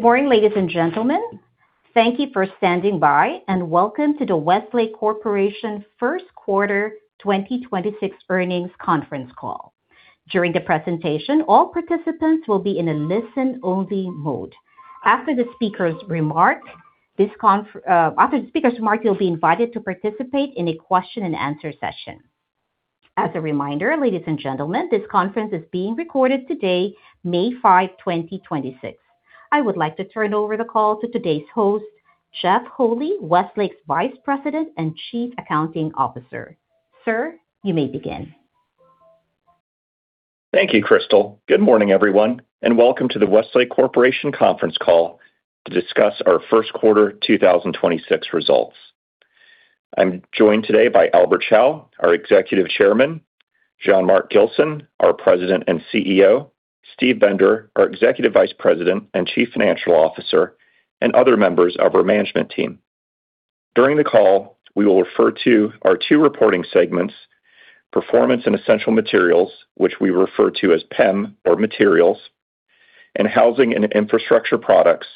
Good morning, ladies and gentlemen. Thank you for standing by, and welcome to the Westlake Corporation's first quarter 2026 earnings conference call. During the presentation, all participants will be in a listen-only mode. After the speaker's remark, you'll be invited to participate in a question-and-answer session. As a reminder, ladies and gentlemen, this conference is being recorded today, May 5, 2026. I would like to turn over the call to today's host, Jeff Holy, Westlake's Vice President and Chief Accounting Officer. Sir, you may begin. Thank you, Crystal. Good morning, everyone, and welcome to the Westlake Corporation conference call to discuss our first quarter 2026 results. I'm joined today by Albert Chao, our Executive Chairman; Jean-Marc Gilson, our President and CEO; Steve Bender, our Executive Vice President and Chief Financial Officer; and other members of our management team. During the call, we will refer to our two reporting segments, Performance and Essential Materials, which we refer to as PEM or Materials, and Housing and Infrastructure Products,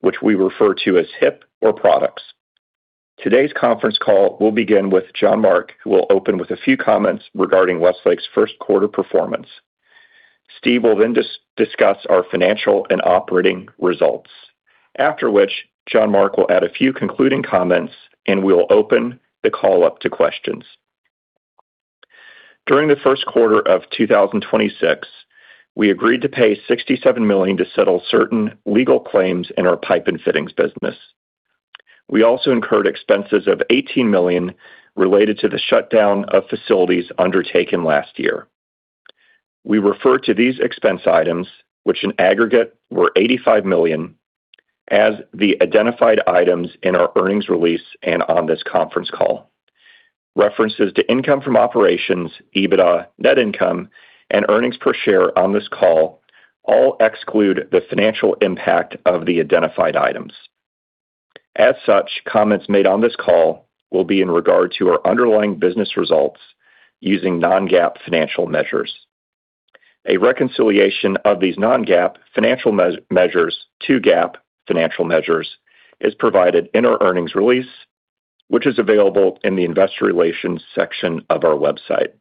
which we refer to as HIP or Products. Today's conference call will begin with Jean-Marc, who will open with a few comments regarding Westlake's first quarter performance. Steve will then discuss our financial and operating results. After which, Jean-Marc will add a few concluding comments, and we'll open the call up to questions. During the first quarter of 2026, we agreed to pay $67 million to settle certain legal claims in our pipe and fittings business. We also incurred expenses of $18 million related to the shutdown of facilities undertaken last year. We refer to these expense items, which in aggregate were $85 million, as the identified items in our earnings release and on this conference call. References to income from operations, EBITDA, net income, and earnings per share on this call all exclude the financial impact of the identified items. As such, comments made on this call will be in regard to our underlying business results using non-GAAP financial measures. A reconciliation of these non-GAAP financial measures to GAAP financial measures is provided in our earnings release, which is available in the Investor Relations section of our website.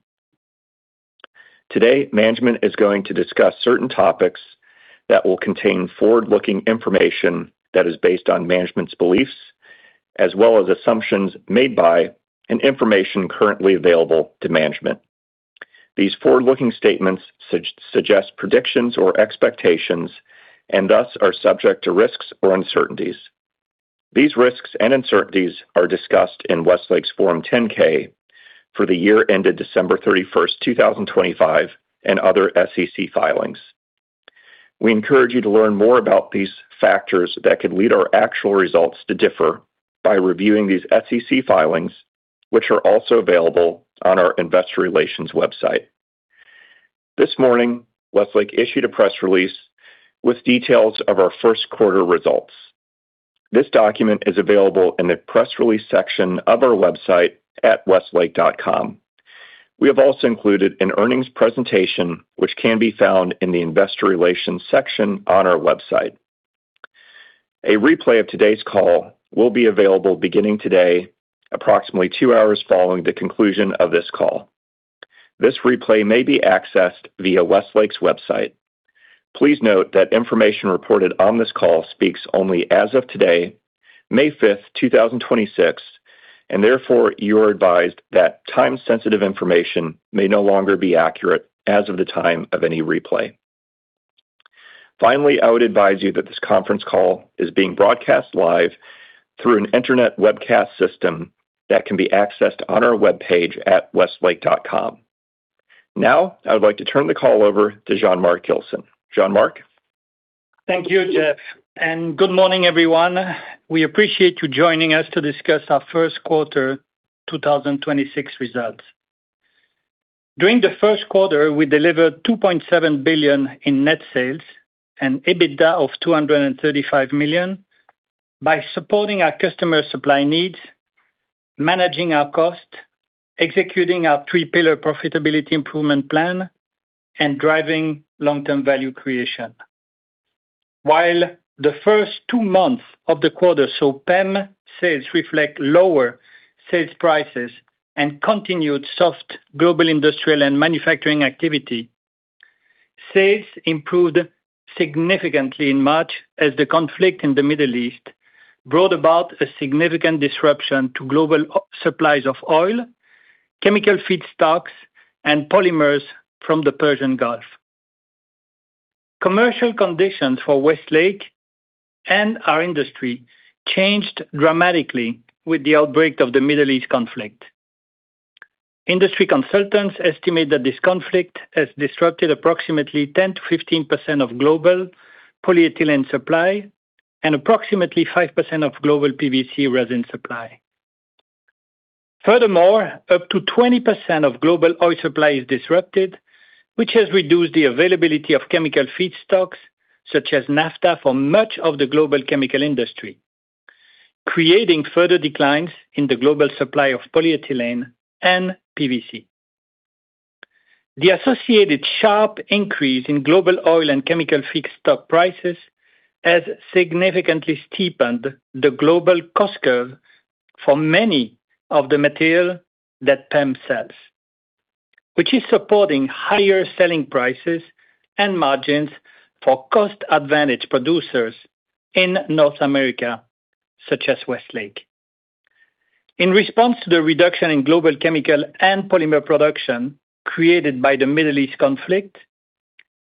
Today, management is going to discuss certain topics that will contain forward-looking information that is based on management's beliefs, as well as assumptions made by and information currently available to management. These forward-looking statements suggest predictions or expectations and thus are subject to risks or uncertainties. These risks and uncertainties are discussed in Westlake's Form 10-K for the year ended December 31st, 2025, and other SEC filings. We encourage you to learn more about these factors that could lead our actual results to differ by reviewing these SEC filings, which are also available on our Investor Relations website. This morning, Westlake issued a press release with details of our first quarter results. This document is available in the press release section of our website at westlake.com. We have also included an earnings presentation, which can be found in the Investor Relations section on our website. A replay of today's call will be available beginning today, approximately two hours following the conclusion of this call. This replay may be accessed via Westlake's website. Please note that information reported on this call speaks only as of today, May 5th, 2026, and therefore, you are advised that time-sensitive information may no longer be accurate as of the time of any replay. Finally, I would advise you that this conference call is being broadcast live through an internet webcast system that can be accessed on our webpage at westlake.com. Now, I would like to turn the call over to Jean-Marc Gilson. Jean-Marc? Thank you, Jeff. Good morning, everyone. We appreciate you joining us to discuss our first quarter 2026 results. During the first quarter, we delivered $2.7 billion in net sales and EBITDA of $235 million by supporting our customer supply needs, managing our cost, executing our three-pillar profitability improvement plan, and driving long-term value creation. While the first two months of the quarter saw PEM sales reflect lower sales prices and continued soft global industrial and manufacturing activity, sales improved significantly in March as the conflict in the Middle East brought about a significant disruption to global supplies of oil, chemical feedstocks, and polymers from the Persian Gulf. Commercial conditions for Westlake and our industry changed dramatically with the outbreak of the Middle East conflict. Industry consultants estimate that this conflict has disrupted approximately 10%-15% of global polyethylene supply and approximately 5% of global PVC resin supply. Furthermore, up to 20% of global oil supply is disrupted, which has reduced the availability of chemical feedstocks such as naphtha for much of the global chemical industry, creating further declines in the global supply of polyethylene and PVC. The associated sharp increase in global oil and chemical feedstock prices has significantly steepened the global cost curve for many of the material that PEM sells, which is supporting higher selling prices and margins for cost-advantaged producers in North America, such as Westlake. In response to the reduction in global chemical and polymer production created by the Middle East conflict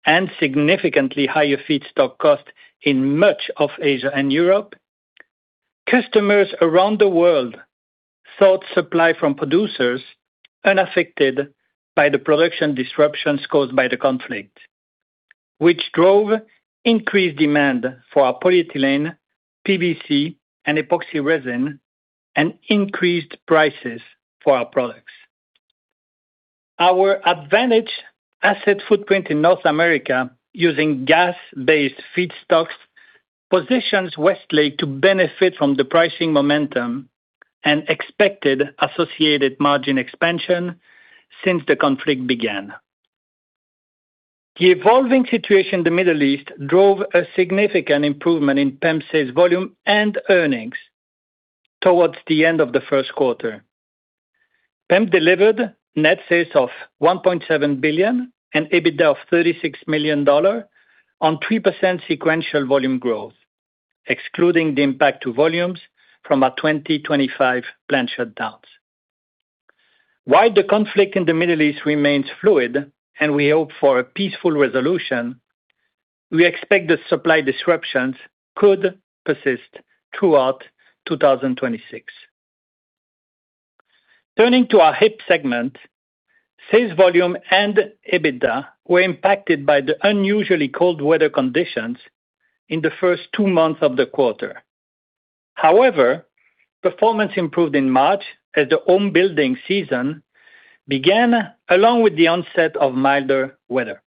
and significantly higher feedstock costs in much of Asia and Europe, customers around the world sought supply from producers unaffected by the production disruptions caused by the conflict, which drove increased demand for our polyethylene, PVC, and epoxy resin and increased prices for our products. Our advantage asset footprint in North America using gas-based feedstocks positions Westlake to benefit from the pricing momentum and expected associated margin expansion since the conflict began. The evolving situation in the Middle East drove a significant improvement in PEM sales volume and earnings towards the end of the first quarter. PEM delivered net sales of $1.7 billion and EBITDA of $36 million on 3% sequential volume growth, excluding the impact to volumes from our 2025 plant shutdowns. While the conflict in the Middle East remains fluid, and we hope for a peaceful resolution, we expect the supply disruptions could persist throughout 2026. Turning to our HIP segment, sales volume and EBITDA were impacted by the unusually cold weather conditions in the first two months of the quarter. However, performance improved in March as the home building season began along with the onset of milder weather.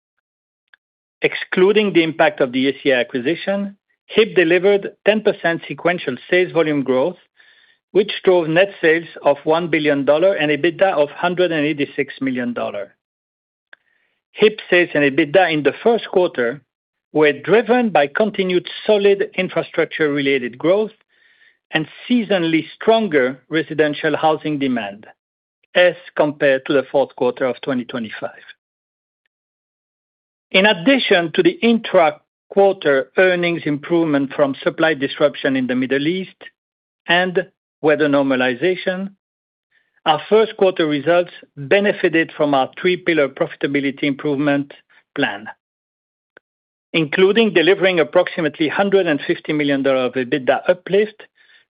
Excluding the impact of the ACI acquisition, HIP delivered 10% sequential sales volume growth, which drove net sales of $1 billion and EBITDA of $186 million. HIP sales and EBITDA in the first quarter were driven by continued solid infrastructure-related growth and seasonally stronger residential housing demand as compared to the fourth quarter of 2025. In addition to the intra-quarter earnings improvement from supply disruption in the Middle East and weather normalization, our first quarter results benefited from our three-pillar profitability improvement plan, including delivering approximately $150 million of EBITDA uplift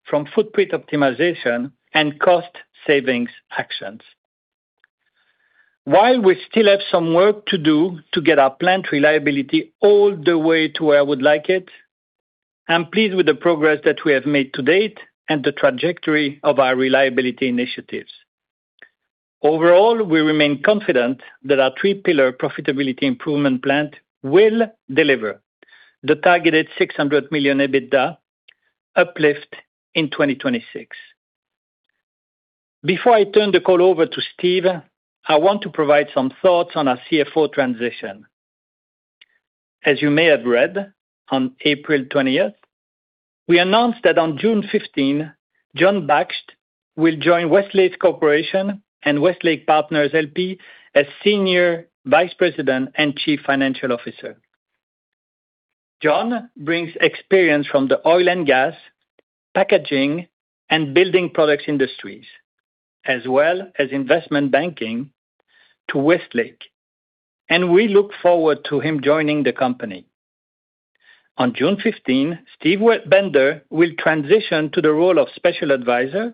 from footprint optimization and cost savings actions. While we still have some work to do to get our plant reliability all the way to where I would like it, I'm pleased with the progress that we have made to date and the trajectory of our reliability initiatives. Overall, we remain confident that our three-pillar profitability improvement plan will deliver the targeted $600 million EBITDA uplift in 2026. Before I turn the call over to Steve, I want to provide some thoughts on our CFO transition. As you may have read, on April 20th, we announced that on June 15, Jon Baksht will join Westlake Corporation and Westlake Partners LP as Senior Vice President and Chief Financial Officer. Jon brings experience from the oil and gas, packaging, and building products industries, as well as investment banking to Westlake, and we look forward to him joining the company. On June 15, Steve Bender will transition to the role of Special Advisor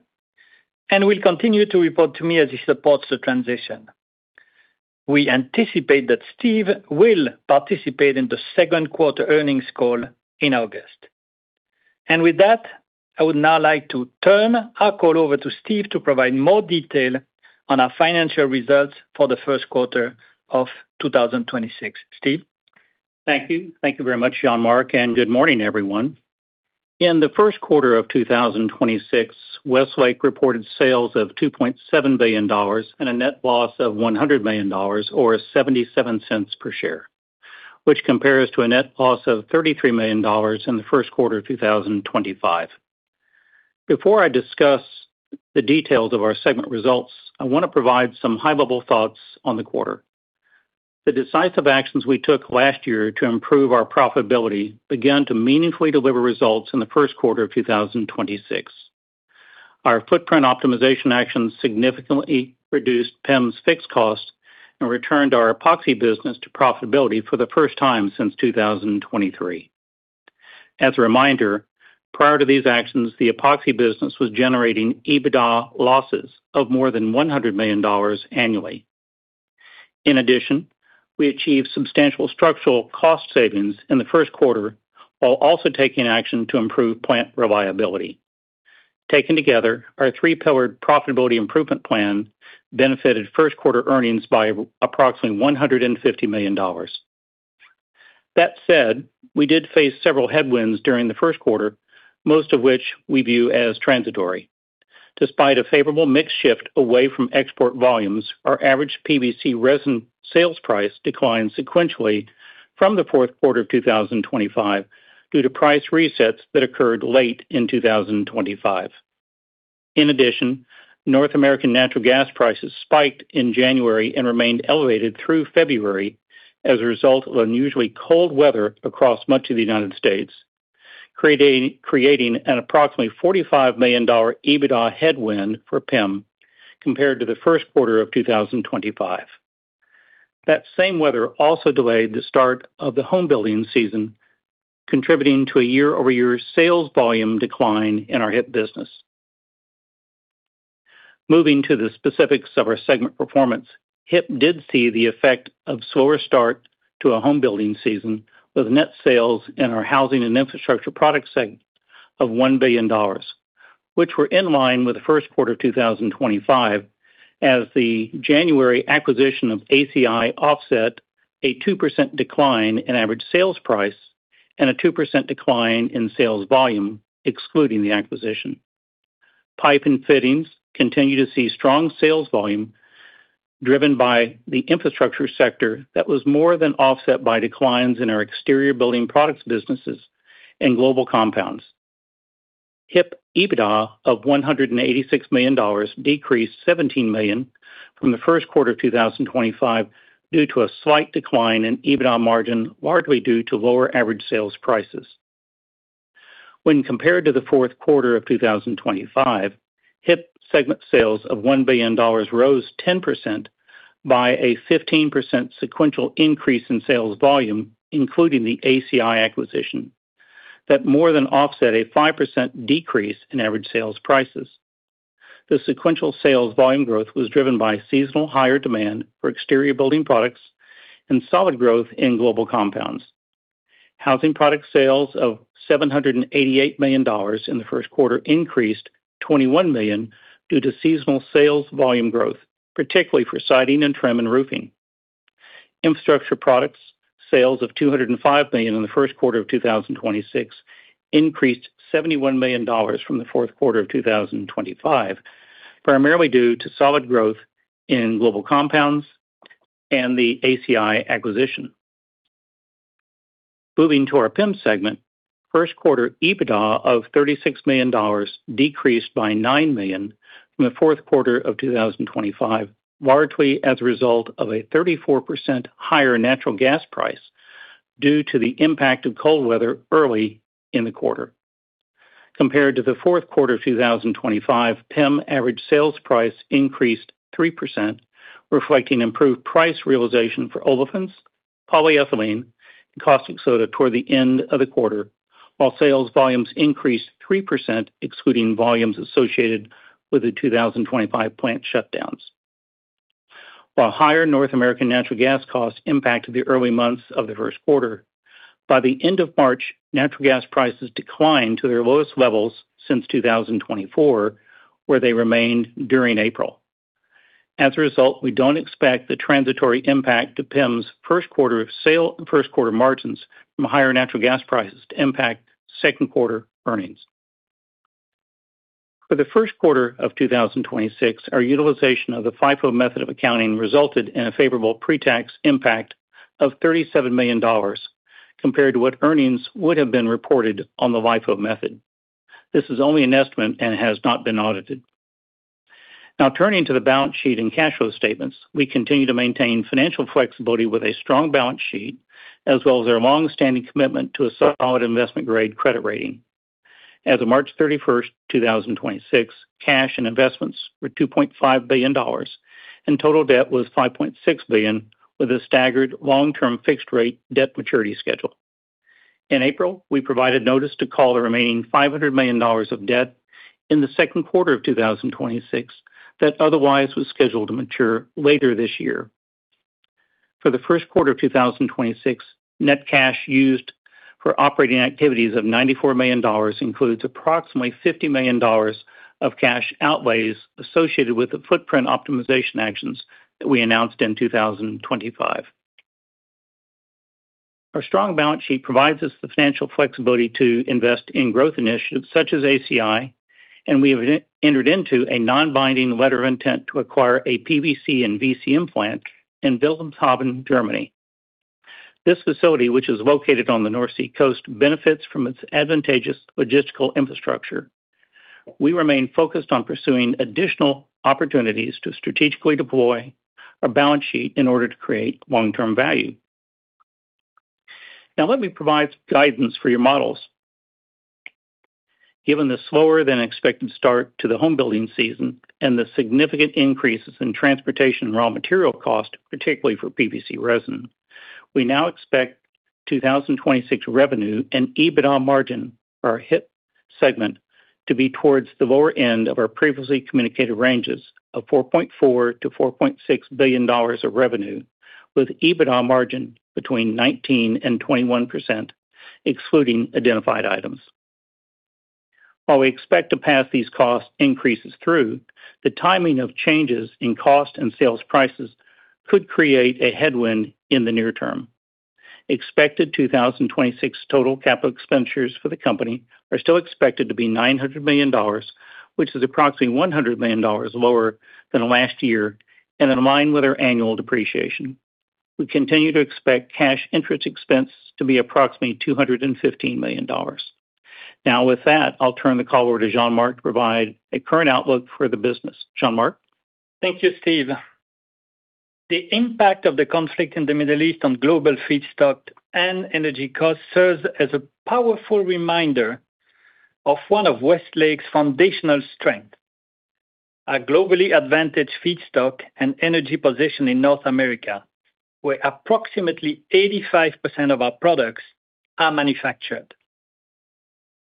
and will continue to report to me as he supports the transition. We anticipate that Steve will participate in the second quarter earnings call in August. With that, I would now like to turn our call over to Steve to provide more detail on our financial results for the first quarter of 2026. Steve? Thank you. Thank you very much, Jean-Marc, and good morning, everyone. In the first quarter of 2026, Westlake reported sales of $2.7 billion and a net loss of $100 million or $0.77 per share, which compares to a net loss of $33 million in the first quarter of 2025. Before I discuss the details of our segment results, I want to provide some high-level thoughts on the quarter. The decisive actions we took last year to improve our profitability began to meaningfully deliver results in the first quarter of 2026. Our footprint optimization actions significantly reduced PEM's fixed cost and returned our epoxy business to profitability for the first time since 2023. As a reminder, prior to these actions, the epoxy business was generating EBITDA losses of more than $100 million annually. We achieved substantial structural cost savings in the first quarter while also taking action to improve plant reliability. Taken together, our three-pillared profitability improvement plan benefited first quarter earnings by approximately $150 million. We did face several headwinds during the first quarter, most of which we view as transitory. Despite a favorable mix shift away from export volumes, our average PVC resin sales price declined sequentially from the fourth quarter of 2025 due to price resets that occurred late in 2025. North American natural gas prices spiked in January and remained elevated through February as a result of unusually cold weather across much of the U.S., creating an approximately $45 million EBITDA headwind for PEM compared to the first quarter of 2025. That same weather also delayed the start of the home building season, contributing to a year-over-year sales volume decline in our HIP business. Moving to the specifics of our segment performance, HIP did see the effect of slower start to a home building season with net sales in our Housing and Infrastructure Products segment of $1 billion, which were in line with the first quarter of 2025 as the January acquisition of ACI offset a 2% decline in average sales price and a 2% decline in sales volume, excluding the acquisition. Pipe and fittings continue to see strong sales volume driven by the infrastructure sector that was more than offset by declines in our exterior building products businesses and global compounds. HIP EBITDA of $186 million decreased $17 million from the first quarter of 2025 due to a slight decline in EBITDA margin, largely due to lower average sales prices. When compared to the fourth quarter of 2025, HIP segment sales of $1 billion rose 10% by a 15% sequential increase in sales volume, including the ACI acquisition. That more than offset a 5% decrease in average sales prices. The sequential sales volume growth was driven by seasonal higher demand for exterior building products and solid growth in Global Compounds. Housing product sales of $788 million in the first quarter increased $21 million due to seasonal sales volume growth, particularly for siding and trim and roofing. Infrastructure Products sales of $205 million in the first quarter of 2026 increased $71 million from the fourth quarter of 2025, primarily due to solid growth in Global Compounds and the ACI acquisition. Moving to our PEM segment, first quarter EBITDA of $36 million decreased by $9 million from the fourth quarter of 2025, largely as a result of a 34% higher natural gas price due to the impact of cold weather early in the quarter. Compared to the fourth quarter of 2025, PEM average sales price increased 3%, reflecting improved price realization for olefins, polyethylene, and caustic soda toward the end of the quarter, while sales volumes increased 3%, excluding volumes associated with the 2025 plant shutdowns. While higher North American natural gas costs impacted the early months of the first quarter, by the end of March, natural gas prices declined to their lowest levels since 2024, where they remained during April. We don't expect the transitory impact to PEM's first quarter margins from higher natural gas prices to impact second quarter earnings. For the first quarter of 2026, our utilization of the FIFO method of accounting resulted in a favorable pre-tax impact of $37 million compared to what earnings would have been reported on the LIFO method. This is only an estimate and has not been audited. Now turning to the balance sheet and cash flow statements, we continue to maintain financial flexibility with a strong balance sheet as well as our long-standing commitment to a solid investment grade credit rating. As of March 31st, 2026, cash and investments were $2.5 billion, and total debt was $5.6 billion with a staggered long-term fixed rate debt maturity schedule. In April, we provided notice to call the remaining $500 million of debt in the second quarter of 2026 that otherwise was scheduled to mature later this year. For the first quarter of 2026, net cash used for operating activities of $94 million includes approximately $50 million of cash outlays associated with the footprint optimization actions that we announced in 2025. Our strong balance sheet provides us the financial flexibility to invest in growth initiatives such as ACI, and we have entered into a non-binding letter of intent to acquire a PVC and VCM plant in Wilhelmshaven, Germany. This facility, which is located on the North Sea coast, benefits from its advantageous logistical infrastructure. We remain focused on pursuing additional opportunities to strategically deploy our balance sheet in order to create long-term value. Now let me provide some guidance for your models. Given the slower than expected start to the home building season and the significant increases in transportation and raw material cost, particularly for PVC resin, we now expect 2026 revenue and EBITDA margin for our HIP segment to be towards the lower end of our previously communicated ranges of $4.4 billion-$4.6 billion of revenue, with EBITDA margin between 19% and 21%, excluding identified items. While we expect to pass these cost increases through, the timing of changes in cost and sales prices could create a headwind in the near term. Expected 2026 total capital expenditures for the company are still expected to be $900 million, which is approximately $100 million lower than last year and in line with our annual depreciation. We continue to expect cash interest expense to be approximately $215 million. With that, I'll turn the call over to Jean-Marc to provide a current outlook for the business. Jean-Marc? Thank you, Steve. The impact of the conflict in the Middle East on global feedstock and energy costs serves as a powerful reminder of one of Westlake's foundational strength, a globally advantaged feedstock and energy position in North America, where approximately 85% of our products are manufactured.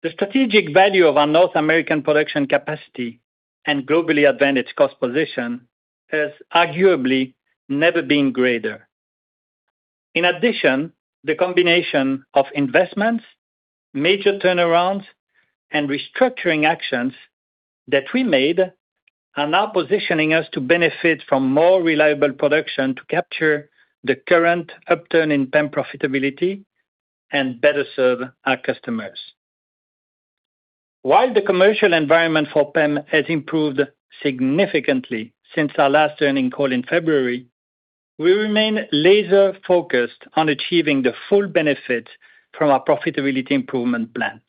The strategic value of our North American production capacity and globally advantaged cost position has arguably never been greater. In addition, the combination of investments, major turnarounds, and restructuring actions that we made are now positioning us to benefit from more reliable production to capture the current upturn in PEM profitability and better serve our customers. While the commercial environment for PEM has improved significantly since our last earnings call in February, we remain laser-focused on achieving the full benefit from our profitability improvement plan.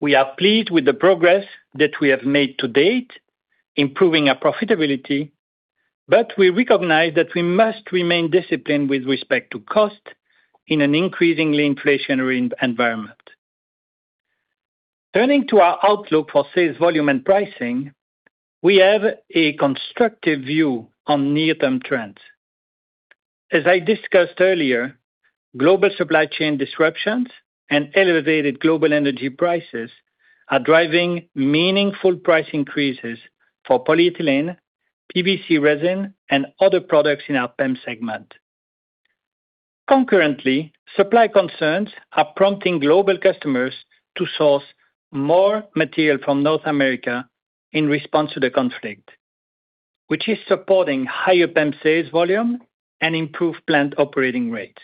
We are pleased with the progress that we have made to date, improving our profitability, but we recognize that we must remain disciplined with respect to cost in an increasingly inflationary environment. Turning to our outlook for sales volume and pricing, we have a constructive view on near-term trends. As I discussed earlier, global supply chain disruptions and elevated global energy prices are driving meaningful price increases for polyethylene, PVC resin, and other products in our PEM segment. Concurrently, supply concerns are prompting global customers to source more material from North America in response to the conflict, which is supporting higher PEM sales volume and improved plant operating rates.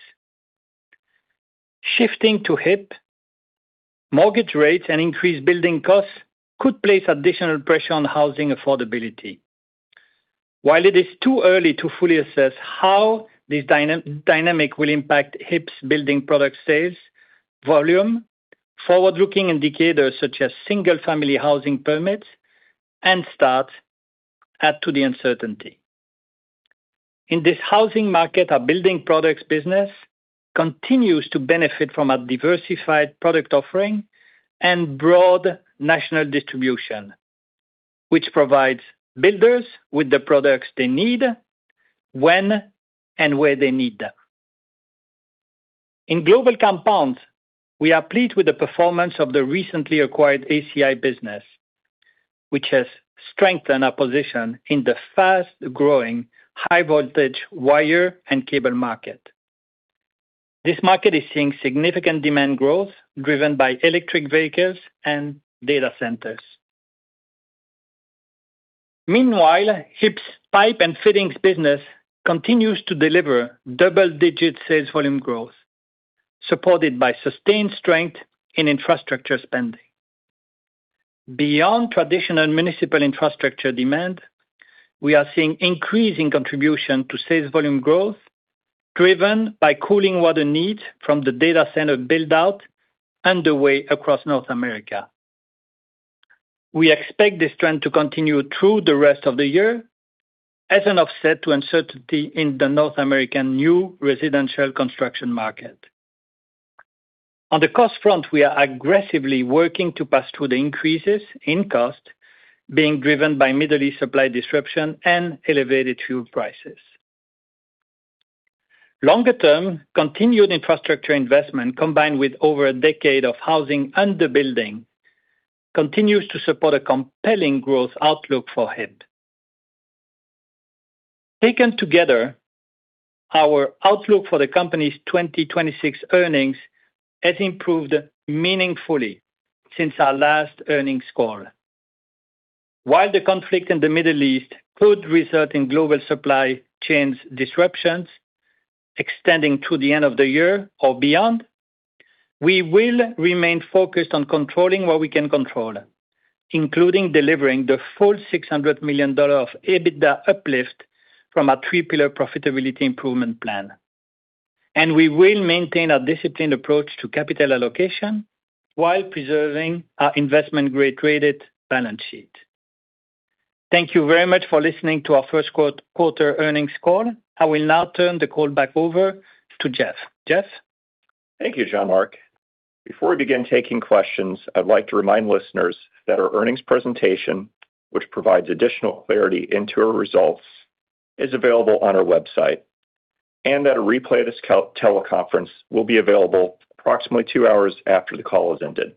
Shifting to HIP, mortgage rates and increased building costs could place additional pressure on housing affordability. While it is too early to fully assess how this dynamic will impact HIP's building product sales volume, forward-looking indicators such as single-family housing permits and starts add to the uncertainty. In this housing market, our building products business continues to benefit from a diversified product offering and broad national distribution, which provides builders with the products they need when and where they need them. In Global Compounds, we are pleased with the performance of the recently acquired ACI business, which has strengthened our position in the fast-growing high-voltage wire and cable market. This market is seeing significant demand growth driven by electric vehicles and data centers. Meanwhile, HIP's pipe and fittings business continues to deliver double-digit sales volume growth, supported by sustained strength in infrastructure spending. Beyond traditional municipal infrastructure demand, we are seeing increasing contribution to sales volume growth, driven by cooling water needs from the data center build-out underway across North America. We expect this trend to continue through the rest of the year as an offset to uncertainty in the North American new residential construction market. On the cost front, we are aggressively working to pass through the increases in cost being driven by Middle East supply disruption and elevated fuel prices. Longer term, continued infrastructure investment, combined with over a decade of housing under building, continues to support a compelling growth outlook for HIP. Taken together, our outlook for the company's 2026 earnings has improved meaningfully since our last earnings call. While the conflict in the Middle East could result in global supply chains disruptions extending to the end of the year or beyond, we will remain focused on controlling what we can control, including delivering the full $600 million of EBITDA uplift from our three-pillar profitability improvement plan. We will maintain a disciplined approach to capital allocation while preserving our investment-grade credit balance sheet. Thank you very much for listening to our first quarter earnings call. I will now turn the call back over to Jeff. Jeff? Thank you, Jean-Marc. Before we begin taking questions, I'd like to remind listeners that our earnings presentation, which provides additional clarity into our results, is available on our website, and that a replay of this teleconference will be available approximately two hours after the call has ended.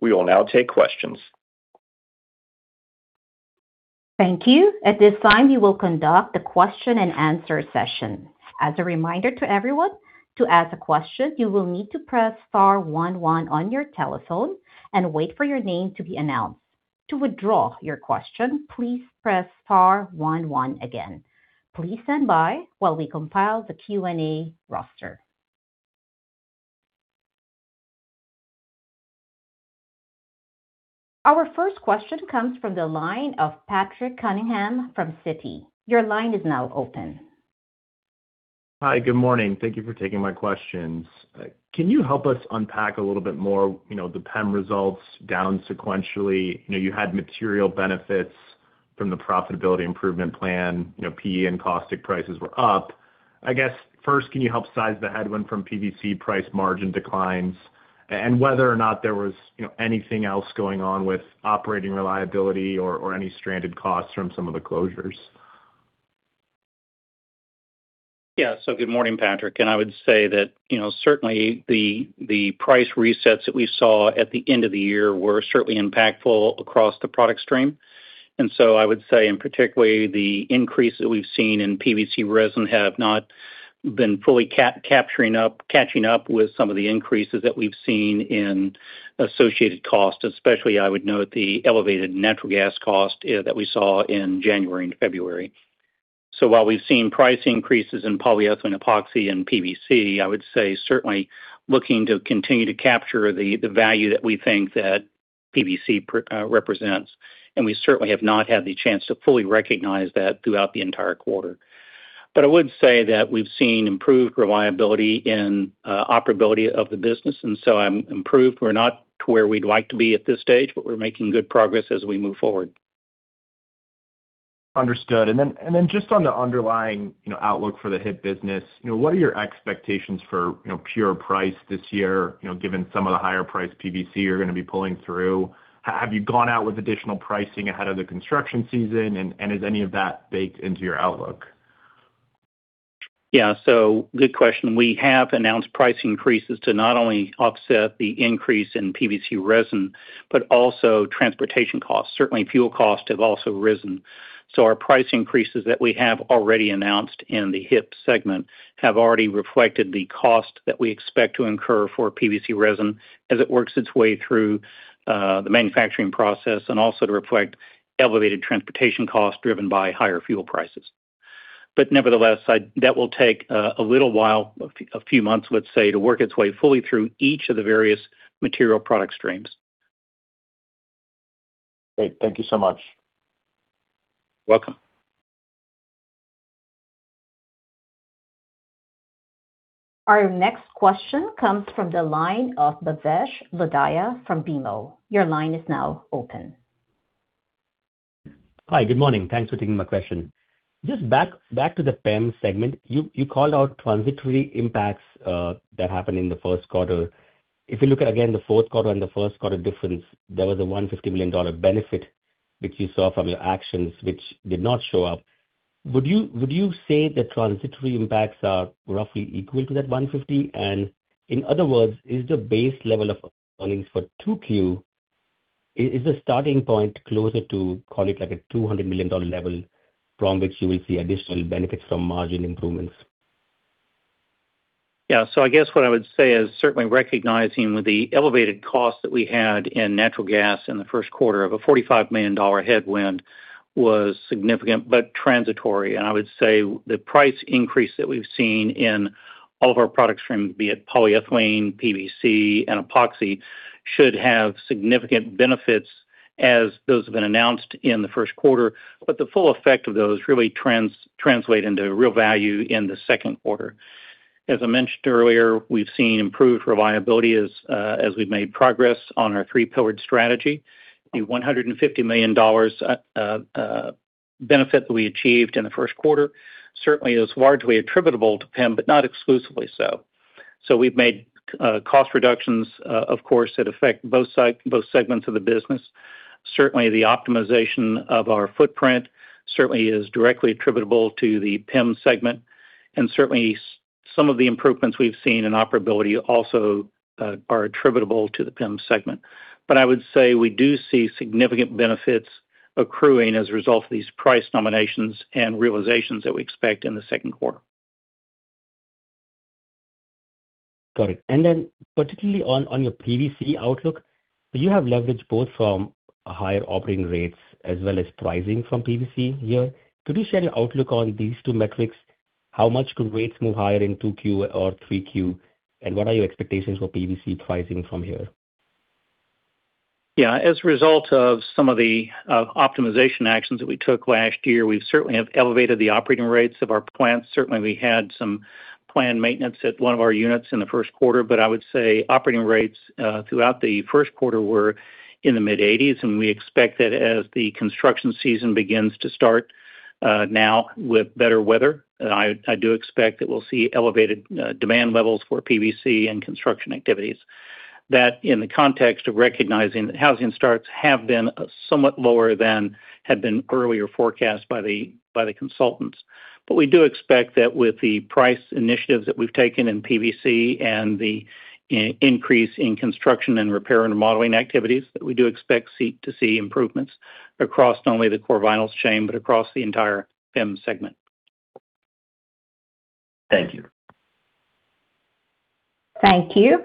We will now take questions. Thank you. At this time, we will conduct the question-and-answer session. As a reminder to everyone, to ask a question, you will need to press star one one on your telephone and wait for your name to be announced. To withdraw your question, please press star one one again. Please stand by while we compile the Q&A roster. Our first question comes from the line of Patrick Cunningham from Citi. Your line is now open. Hi. Good morning. Thank you for taking my questions. Can you help us unpack a little bit more, you know, the PEM results down sequentially? You know, you had material benefits from the profitability improvement plan. You know, PE and caustic prices were up. I guess, first, can you help size the headwind from PVC price margin declines and whether or not there was, you know, anything else going on with operating reliability or any stranded costs from some of the closures? Yeah. Good morning, Patrick. I would say that, you know, certainly the price resets that we saw at the end of the year were certainly impactful across the product stream. I would say in particular the increase that we've seen in PVC have not been fully catching up with some of the increases that we've seen in associated costs, especially I would note the elevated natural gas cost that we saw in January and February. While we've seen price increases in polyethylene, epoxy and PVC, I would say certainly looking to continue to capture the value that we think that PVC represents. We certainly have not had the chance to fully recognize that throughout the entire quarter. I would say that we've seen improved reliability in operability of the business, and so I'm improved. We're not to where we'd like to be at this stage, but we're making good progress as we move forward. Understood. Then just on the underlying, you know, outlook for the HIP business, you know, what are your expectations for, you know, pure price this year, you know, given some of the higher priced PVC you're gonna be pulling through? Have you gone out with additional pricing ahead of the construction season, and is any of that baked into your outlook? Yeah. Good question. We have announced price increases to not only offset the increase in PVC resin, but also transportation costs. Certainly, fuel costs have also risen. Our price increases that we have already announced in the HIP segment have already reflected the cost that we expect to incur for PVC resin as it works its way through the manufacturing process and also to reflect elevated transportation costs driven by higher fuel prices. Nevertheless, that will take a little while, a few months, let's say, to work its way fully through each of the various material product streams. Great. Thank you so much. Welcome. Our next question comes from the line of Bhavesh Lodaya from BMO. Your line is now open. Hi. Good morning. Thanks for taking my question. Just back to the PEM segment. You called out transitory impacts that happened in the first quarter. If you look at again the fourth quarter and the first quarter difference, there was a $150 million benefit which you saw from your actions, which did not show up. Would you say the transitory impacts are roughly equal to that $150 million? In other words, is the base level of earnings for 2Q, the starting point closer to call it like a $200 million level from which you will see additional benefits from margin improvements? Yeah. I guess what I would say is certainly recognizing the elevated cost that we had in natural gas in the first quarter of a $45 million headwind was significant but transitory. I would say the price increase that we've seen in all of our product streams, be it polyethylene, PVC and epoxy, should have significant benefits as those have been announced in the first quarter. The full effect of those really translate into real value in the second quarter. As I mentioned earlier, we've seen improved reliability as we've made progress on our three-pillared strategy. The $150 million benefit that we achieved in the first quarter certainly is largely attributable to PEM, but not exclusively so. We've made cost reductions, of course, that affect both segments of the business. Certainly, the optimization of our footprint certainly is directly attributable to the PEM segment. Certainly some of the improvements we've seen in operability also are attributable to the PEM segment. I would say we do see significant benefits accruing as a result of these price nominations and realizations that we expect in the second quarter. Got it. Particularly on your PVC outlook, you have leverage both from higher operating rates as well as pricing from PVC here. Could you share your outlook on these two metrics? How much could rates move higher in 2Q or 3Q, and what are your expectations for PVC pricing from here? Yeah. As a result of some of the optimization actions that we took last year, we certainly have elevated the operating rates of our plants. Certainly, we had some planned maintenance at one of our units in the first quarter, but I would say operating rates throughout the first quarter were in the mid-80s, and we expect that as the construction season begins to start, now with better weather, I do expect that we'll see elevated demand levels for PVC and construction activities. That in the context of recognizing that housing starts have been somewhat lower than had been earlier forecast by the consultants. We do expect that with the price initiatives that we've taken in PVC and the increase in construction and repair and remodeling activities, that we do expect seek to see improvements across not only the chlorovinyls chain, but across the entire PEM segment. Thank you. Thank you.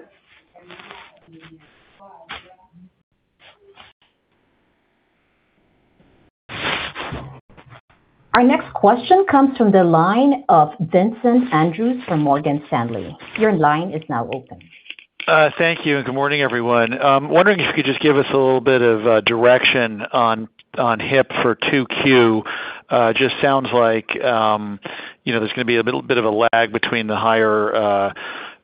Our next question comes from the line of Vincent Andrews from Morgan Stanley. Your line is now open. Thank you, good morning, everyone. Wondering if you could just give us a little bit of direction on HIP for 2Q. Just sounds like, you know, there's gonna be a little bit of a lag between the higher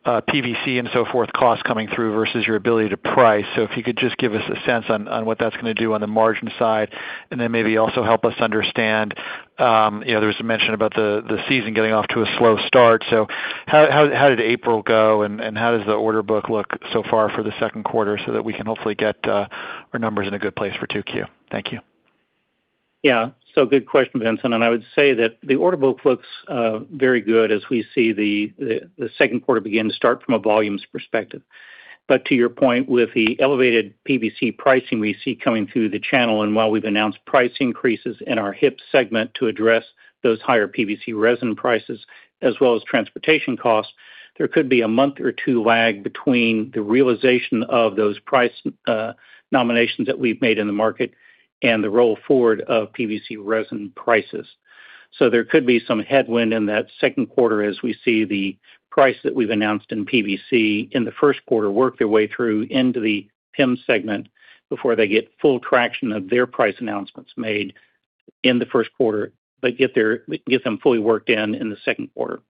PVC and so forth costs coming through versus your ability to price. If you could just give us a sense on what that's gonna do on the margin side, maybe also help us understand, you know, there was a mention about the season getting off to a slow start. How did April go, and how does the order book look so far for the second quarter so that we can hopefully get our numbers in a good place for 2Q? Thank you. Yeah. Good question, Vincent, and I would say that the order book looks very good as we see the second quarter begin to start from a volumes perspective. To your point, with the elevated PVC pricing we see coming through the channel, and while we've announced price increases in our HIP segment to address those higher PVC resin prices as well as transportation costs, there could be a month or two lag between the realization of those price nominations that we've made in the market and the roll forward of PVC resin prices. There could be some headwind in that second quarter as we see the price that we've announced in PVC in the first quarter work their way through into the PEM segment before they get full traction of their price announcements made in the first quarter, but get them fully worked in in the second quarter.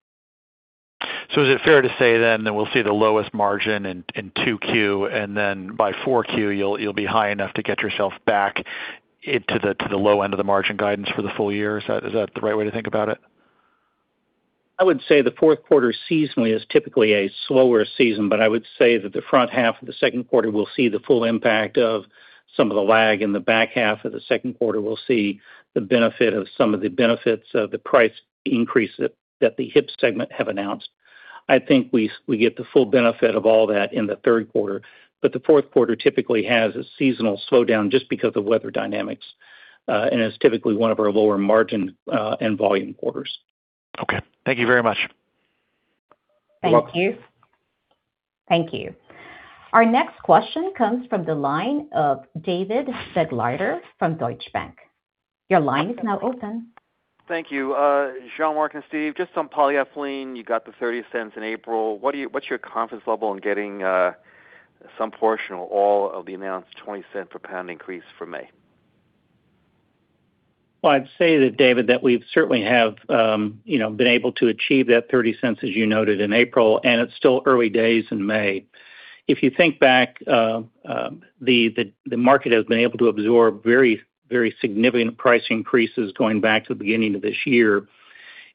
Is it fair to say then that we'll see the lowest margin in 2Q, and then by 4Q, you'll be high enough to get yourself back into the low end of the margin guidance for the full-year? Is that the right way to think about it? I would say the fourth quarter seasonally is typically a slower season, but I would say that the front half of the second quarter will see the full impact of some of the lag. In the back half of the second quarter, we'll see the benefit of some of the benefits of the price increase that the HIP segment have announced. I think we get the full benefit of all that in the third quarter, but the fourth quarter typically has a seasonal slowdown just because of weather dynamics, and is typically one of our lower margin and volume quarters. Okay. Thank you very much. You're welcome. Thank you. Thank you. Our next question comes from the line of David Begleiter from Deutsche Bank. Your line is now open. Thank you. Jean-Marc and Steve, just on polyethylene, you got the $0.30 in April. What's your confidence level in getting some portion or all of the announced $0.20 per pound increase for May? Well, I'd say that, David, that we've certainly have, you know, been able to achieve that $0.30, as you noted in April, and it's still early days in May. If you think back, the market has been able to absorb very, very significant price increases going back to the beginning of this year.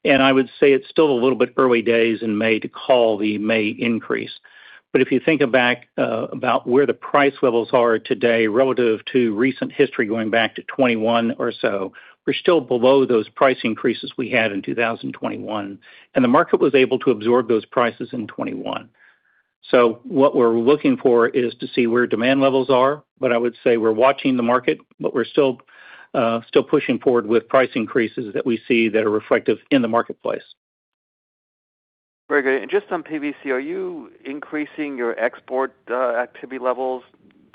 I would say it's still a little bit early days in May to call the May increase. If you think back, about where the price levels are today relative to recent history going back to 2021 or so, we're still below those price increases we had in 2021, and the market was able to absorb those prices in 2021. What we're looking for is to see where demand levels are, but I would say we're watching the market, but we're still pushing forward with price increases that we see that are reflective in the marketplace. Very good. Just on PVC, are you increasing your export activity levels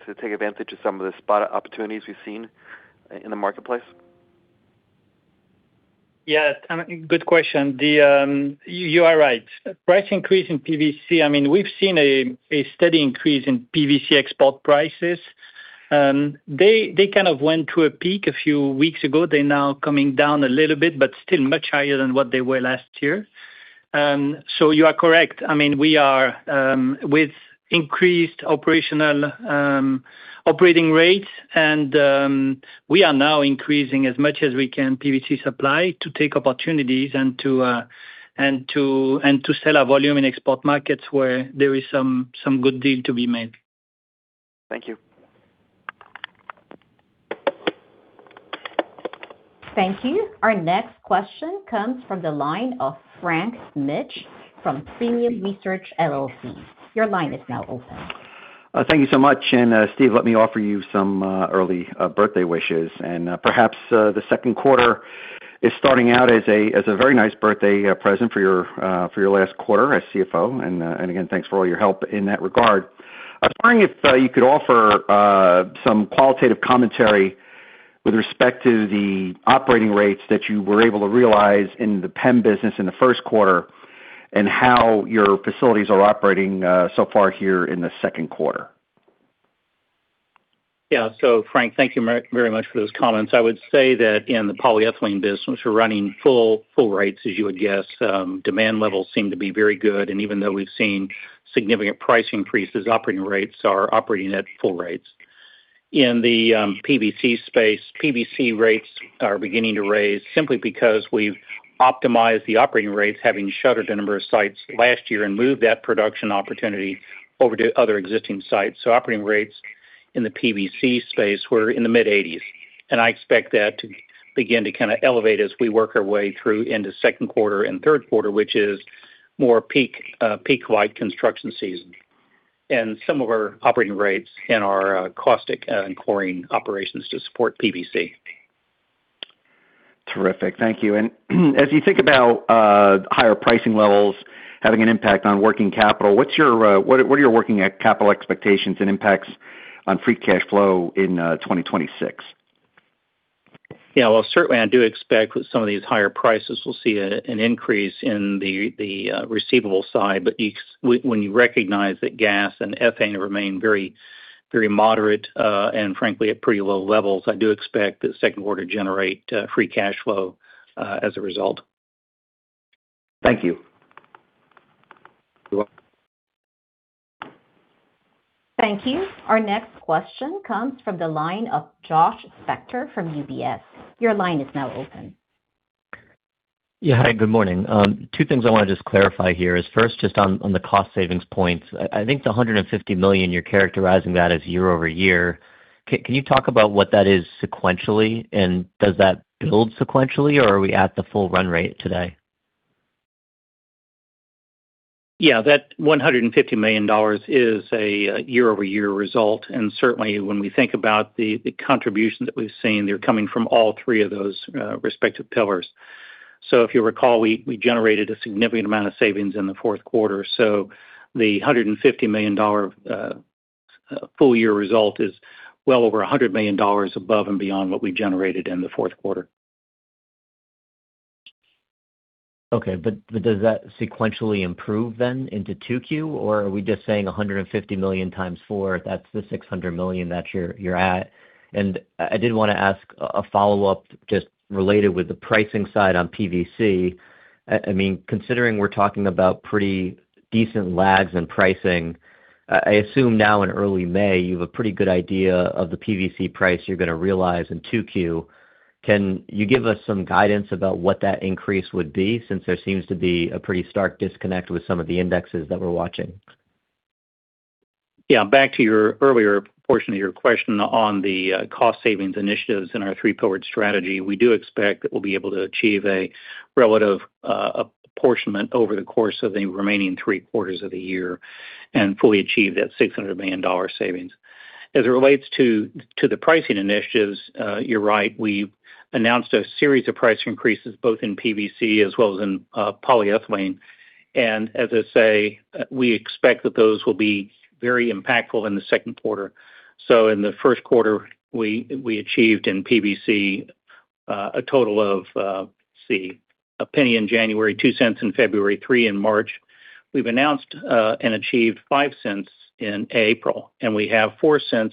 to take advantage of some of the spot opportunities you've seen in the marketplace? Yes, good question. You are right. Price increase in PVC, I mean, we've seen a steady increase in PVC export prices. They kind of went to a peak a few weeks ago. They're now coming down a little bit, but still much higher than what they were last year. You are correct. I mean, we are with increased operational operating rates and we are now increasing as much as we can PVC supply to take opportunities and to sell our volume in export markets where there is some good deal to be made. Thank you. Thank you. Our next question comes from the line of Frank Mitsch from Fermium Research, LLC. Your line is now open. Thank you so much. Steve, let me offer you some early birthday wishes. Perhaps the second quarter is starting out as a very nice birthday present for your last quarter as CFO. Again, thanks for all your help in that regard. I was wondering if you could offer some qualitative commentary with respect to the operating rates that you were able to realize in the PEM business in the first quarter and how your facilities are operating so far here in the second quarter. Yeah. Frank, thank you very much for those comments. I would say that in the polyethylene business, we're running full rates, as you would guess. Demand levels seem to be very good, and even though we've seen significant price increases, operating rates are operating at full rates. In the PVC space, PVC rates are beginning to raise simply because we've optimized the operating rates, having shuttered a number of sites last year and moved that production opportunity over to other existing sites. Operating rates in the PVC space were in the mid-80s, and I expect that to begin to kinda elevate as we work our way through into second quarter and third quarter, which is more peak-like construction season, and some of our operating rates in our caustic and chlorine operations to support PVC. Terrific. Thank you. As you think about higher pricing levels having an impact on working capital, what are your working capital expectations and impacts on free cash flow in 2026? Yeah. Well, certainly I do expect with some of these higher prices we'll see an increase in the receivable side. When you recognize that gas and ethane remain very moderate and frankly at pretty low levels, I do expect the second quarter generate free cash flow as a result. Thank you. You're welcome. Thank you. Our next question comes from the line of Josh Spector from UBS. Your line is now open. Yeah. Hi, good morning. Two things I want to just clarify here is first, just on the cost savings points. I think the $150 million, you're characterizing that as year-over-year. Can you talk about what that is sequentially? Does that build sequentially or are we at the full run rate today? Yeah. That $150 million is a year-over-year result. Certainly when we think about the contribution that we've seen, they're coming from all three of those respective pillars. If you recall, we generated a significant amount of savings in the fourth quarter. The $150 million full-year result is well over $100 million above and beyond what we generated in the fourth quarter. Okay. Does that sequentially improve then into 2Q or are we just saying $150 million times four, that's the $600 million that you're at? I did wanna ask a follow-up just related with the pricing side on PVC. I mean, considering we're talking about pretty decent lags in pricing, I assume now in early May, you have a pretty good idea of the PVC price you're gonna realize in 2Q. Can you give us some guidance about what that increase would be since there seems to be a pretty stark disconnect with some of the indexes that we're watching? Yeah. Back to your earlier portion of your question on the cost savings initiatives in our three-pillared strategy, we do expect that we'll be able to achieve a relative apportionment over the course of the remaining three quarters of the year and fully achieve that $600 million savings. As it relates to the pricing initiatives, you're right, we announced a series of price increases both in PVC as well as in polyethylene. As I say, we expect that those will be very impactful in the second quarter. In the first quarter, we achieved in PVC a total of, let's see, $0.01 in January, $0.02 in February, $0.03 in March. We've announced and achieved $0.05 in April, and we have $0.04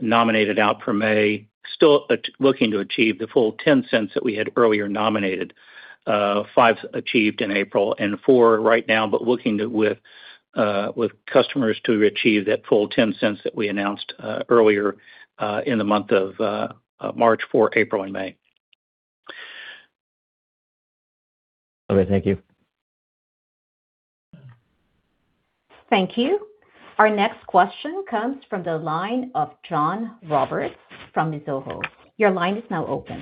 nominated out for May, looking to achieve the full $0.10 that we had earlier nominated. $0.05 achieved in April and $0.04 right now, but looking to with customers to achieve that full $0.10 that we announced earlier in the month of March, for April and May. Okay. Thank you. Thank you. Our next question comes from the line of John Roberts from Mizuho. Your line is now open.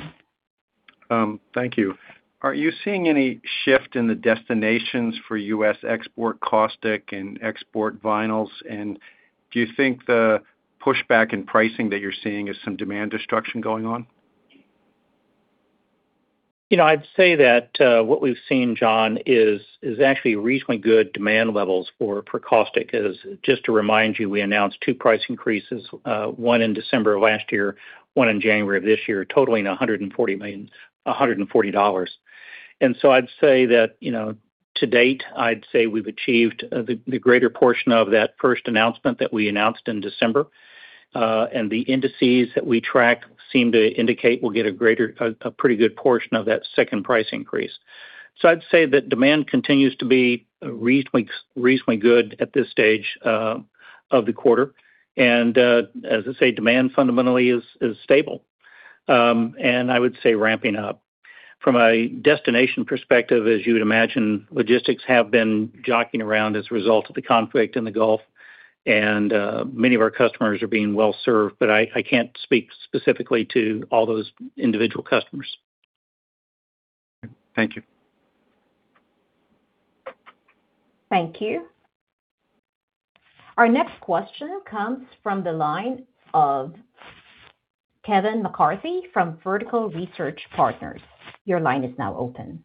Thank you. Are you seeing any shift in the destinations for U.S. export caustic and export vinyls? Do you think the pushback in pricing that you're seeing is some demand destruction going on? You know, I'd say that what we've seen, John, is actually reasonably good demand levels for caustic. As just to remind you, we announced two price increases, one in December of last year, one in January of this year, totaling $140. I'd say that, you know, to date, I'd say we've achieved the greater portion of that first announcement that we announced in December. The indices that we track seem to indicate we'll get a pretty good portion of that second price increase. I'd say that demand continues to be reasonably good at this stage of the quarter. As I say, demand fundamentally is stable, and I would say ramping up. From a destination perspective, as you would imagine, logistics have been jockeying around as a result of the conflict in the Gulf, and many of our customers are being well-served, but I can't speak specifically to all those individual customers. Thank you. Thank you. Our next question comes from the line of Kevin McCarthy from Vertical Research Partners. Your line is now open.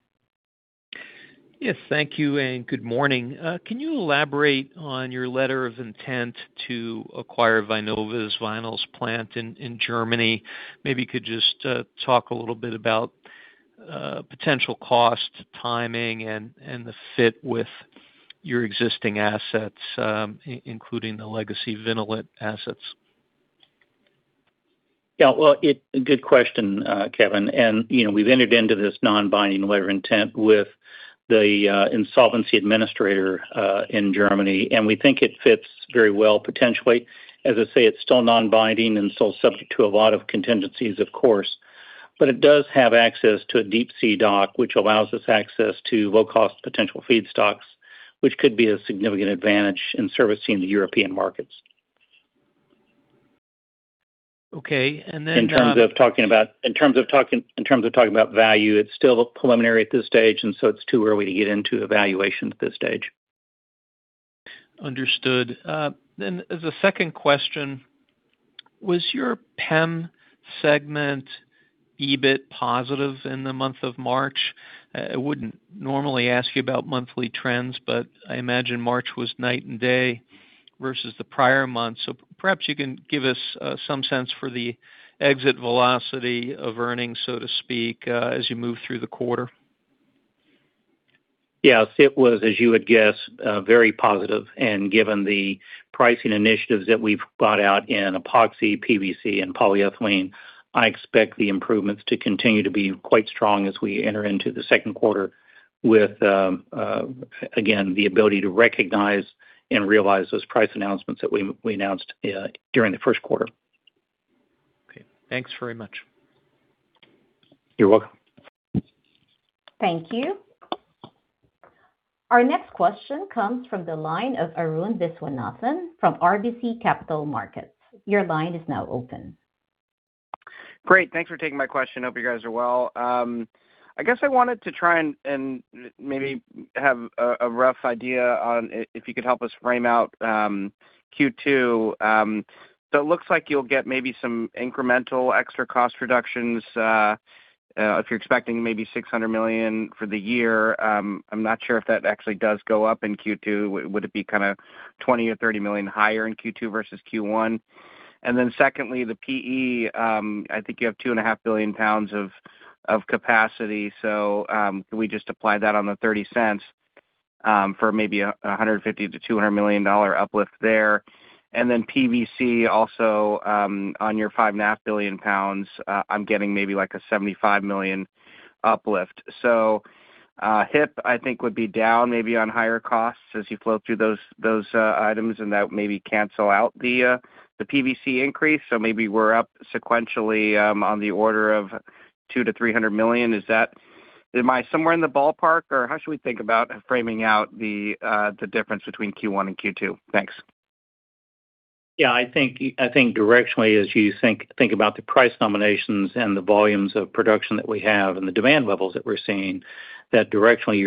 Yes, thank you, and good morning. Can you elaborate on your letter of intent to acquire Vynova's vinyls plant in Germany? Maybe you could just talk a little bit about potential cost, timing, and the fit with your existing assets, including the legacy Vinnolit assets. Yeah. Well, good question, Kevin. You know, we've entered into this non-binding letter of intent with the insolvency administrator in Germany, and we think it fits very well potentially. As I say, it's still non-binding and still subject to a lot of contingencies, of course. It does have access to a deep sea dock, which allows us access to low-cost potential feedstocks, which could be a significant advantage in servicing the European markets. Okay. In terms of talking about value, it's still preliminary at this stage, and so it's too early to get into evaluation at this stage. Understood. As a second question, was your PEM segment EBIT positive in the month of March? I wouldn't normally ask you about monthly trends, but I imagine March was night and day versus the prior month. Perhaps you can give us some sense for the exit velocity of earnings, so to speak, as you move through the quarter. Yes. It was, as you would guess, very positive. Given the pricing initiatives that we've brought out in epoxy, PVC, and polyethylene, I expect the improvements to continue to be quite strong as we enter into the second quarter with, again, the ability to recognize and realize those price announcements that we announced during the first quarter. Okay. Thanks very much. You're welcome. Thank you. Our next question comes from the line of Arun Viswanathan from RBC Capital Markets. Your line is now open. Great. Thanks for taking my question. Hope you guys are well. I guess I wanted to try and maybe have a rough idea on if you could help us frame out Q2. It looks like you'll get maybe some incremental extra cost reductions if you're expecting maybe $600 million for the year. I'm not sure if that actually does go up in Q2. Would it be kinda $20 million or $30 million higher in Q2 versus Q1? Secondly, the PE, I think you have 2.5 billion lbs of capacity, so can we just apply that on the $0.30 for maybe a $150 million-$200 million uplift there? PVC also, on your 5.5 billion lbs, I'm getting maybe like a $75 million uplift. HIP, I think, would be down maybe on higher costs as you flow through those items, and that would maybe cancel out the PVC increase. Maybe we're up sequentially on the order of $200 million-$300 million. Am I somewhere in the ballpark or how should we think about framing out the difference between Q1 and Q2? Thanks. Yeah, I think directionally, as you think about the price nominations and the volumes of production that we have and the demand levels that we're seeing, that directionally,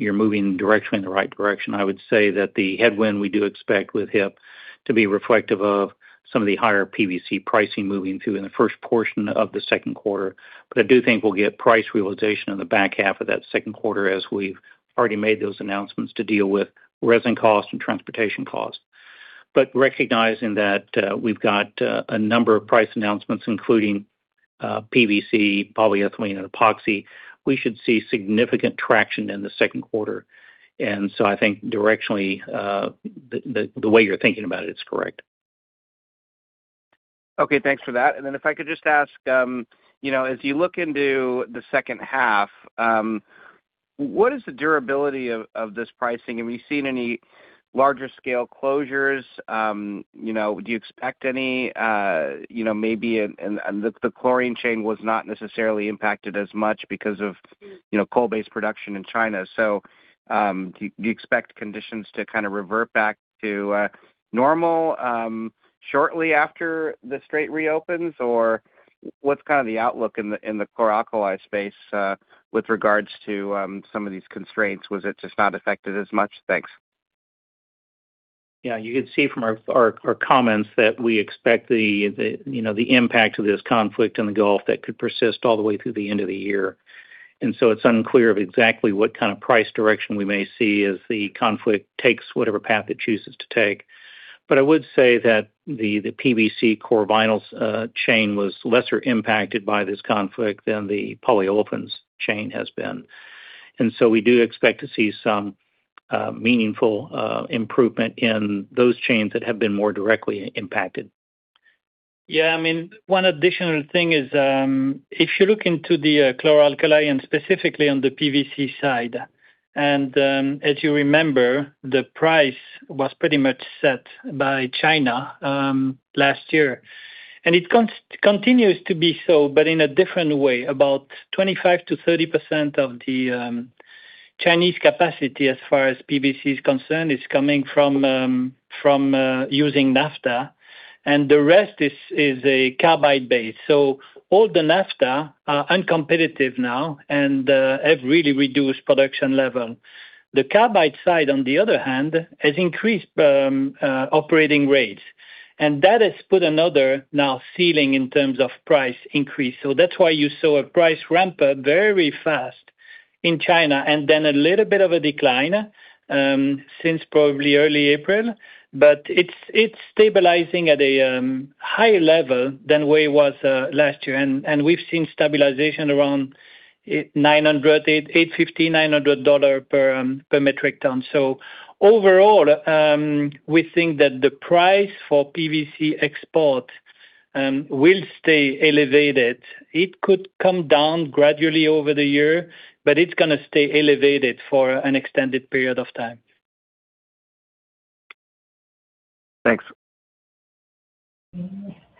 you're moving directionally in the right direction. I would say that the headwind we do expect with HIP to be reflective of some of the higher PVC pricing moving through in the first portion of the second quarter. I do think we'll get price realization in the back half of that second quarter as we've already made those announcements to deal with resin cost and transportation cost. Recognizing that we've got a number of price announcements including PVC, polyethylene, and epoxy, we should see significant traction in the second quarter. I think directionally, the way you're thinking about it is correct. Okay. Thanks for that. If I could just ask, you know, as you look into the second half, what is the durability of this pricing? Have you seen any larger scale closures? You know, do you expect any, you know, maybe, and the chlorine chain was not necessarily impacted as much because of, you know, coal-based production in China. Do you expect conditions to kind of revert back to normal shortly after the Strait reopens? What's kind of the outlook in the chlor-alkali space with regards to some of these constraints? Was it just not affected as much? Thanks. Yeah. You could see from our comments that we expect the, you know, the impact of this conflict in the Gulf that could persist all the way through the end of the year. It's unclear of exactly what kind of price direction we may see as the conflict takes whatever path it chooses to take. I would say that the PVC chlorovinyls chain was lesser impacted by this conflict than the polyolefins chain has been. We do expect to see some meaningful improvement in those chains that have been more directly impacted. Yeah, I mean, one additional thing is, if you look into the chlor-alkali and specifically on the PVC side, as you remember, the price was pretty much set by China last year. It continues to be so, but in a different way. About 25%-30% of the Chinese capacity as far as PVC is concerned is coming from using naphtha, and the rest is a carbide base. All the naphtha are uncompetitive now and have really reduced production level. The carbide side, on the other hand, has increased operating rates, and that has put another now ceiling in terms of price increase. That's why you saw a price ramp up very fast in China and then a little bit of a decline since probably early April. It's stabilizing at a higher level than where it was last year. We've seen stabilization around $900, $850, $900 per metric ton. Overall, we think that the price for PVC export will stay elevated. It could come down gradually over the year, but it's gonna stay elevated for an extended period of time. Thanks.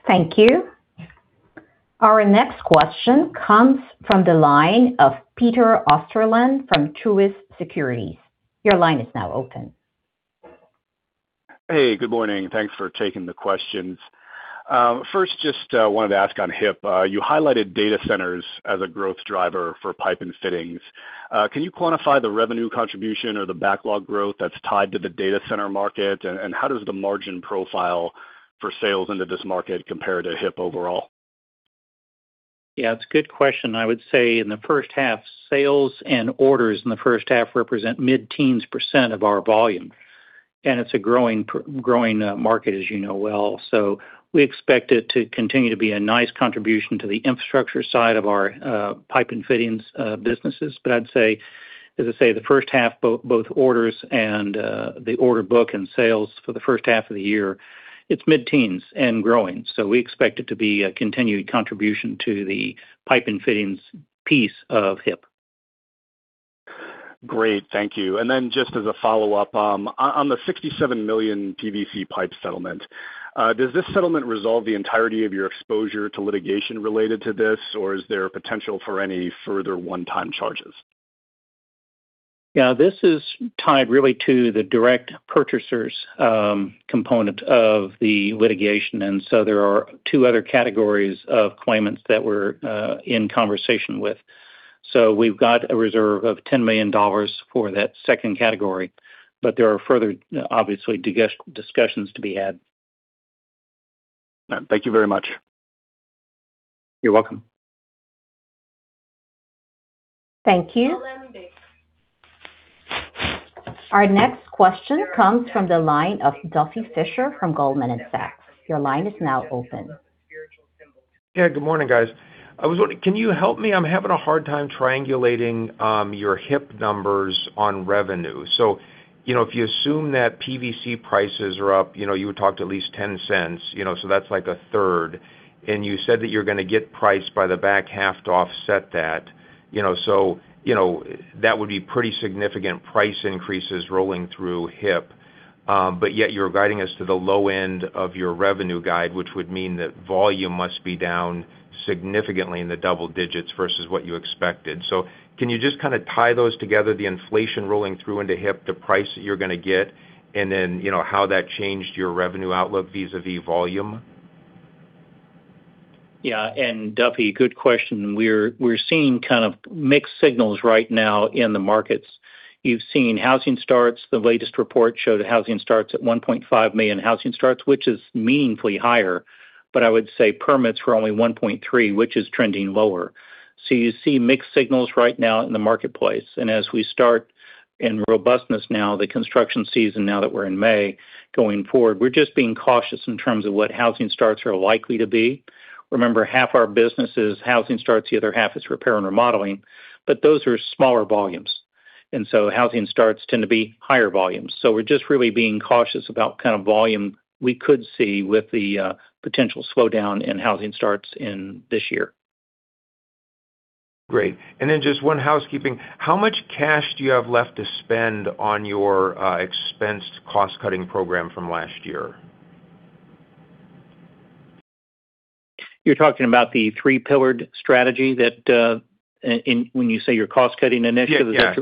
Thank you. Our next question comes from the line of Peter Osterland from Truist Securities. Your line is now open. Hey, good morning. Thanks for taking the questions. First, just wanted to ask on HIP. You highlighted data centers as a growth driver for pipe and fittings. Can you quantify the revenue contribution or the backlog growth that's tied to the data center market? How does the margin profile for sales into this market compare to HIP overall? Yeah, it's a good question. I would say in the first half, sales and orders in the first half represent mid-teens% of our volume, and it's a growing growing market, as you know well. We expect it to continue to be a nice contribution to the infrastructure side of our pipe and fittings businesses. I'd say as I say, the first half, both orders and the order book and sales for the first half of the year, it's mid-teens and growing. We expect it to be a continued contribution to the pipe and fittings piece of HIP. Great. Thank you. Then just as a follow-up, on the $67 million PVC pipe settlement, does this settlement resolve the entirety of your exposure to litigation related to this or is there potential for any further one-time charges? Yeah. This is tied really to the direct purchasers component of the litigation. There are two other categories of claimants that we're in conversation with. We've got a reserve of $10 million for that second category. There are further, obviously, discussions to be had. Thank you very much. You're welcome. Thank you. Our next question comes from the line of Duffy Fischer from Goldman Sachs. Your line is now open. Yeah, good morning, guys. Can you help me? I'm having a hard time triangulating your HIP numbers on revenue. You know, if you assume that PVC prices are up, you know, you would talk to at least $0.10, you know, that's like a third. You said that you're gonna get price by the back half to offset that. You know, you know, that would be pretty significant price increases rolling through HIP. Yet you're guiding us to the low end of your revenue guide, which would mean that volume must be down significantly in the double-digits versus what you expected. Can you just kinda tie those together, the inflation rolling through into HIP, the price that you're gonna get, and then, you know, how that changed your revenue outlook vis-à-vis volume? Yeah. Duffy, good question. We're seeing kind of mixed signals right now in the markets. You've seen housing starts. The latest report showed housing starts at 1.5 million housing starts, which is meaningfully higher. I would say permits were only 1.3 million, which is trending lower. You see mixed signals right now in the marketplace. As we start in robustness now, the construction season now that we're in May going forward, we're just being cautious in terms of what housing starts are likely to be. Remember, half our business is housing starts, the other half is repair and remodeling, but those are smaller volumes. Housing starts tend to be higher volumes. We're just really being cautious about kind of volume we could see with the potential slowdown in housing starts in this year. Great. Just one housekeeping. How much cash do you have left to spend on your expense cost-cutting program from last year? You're talking about the three-pillared strategy that, when you say you're cost-cutting initiative. Yeah.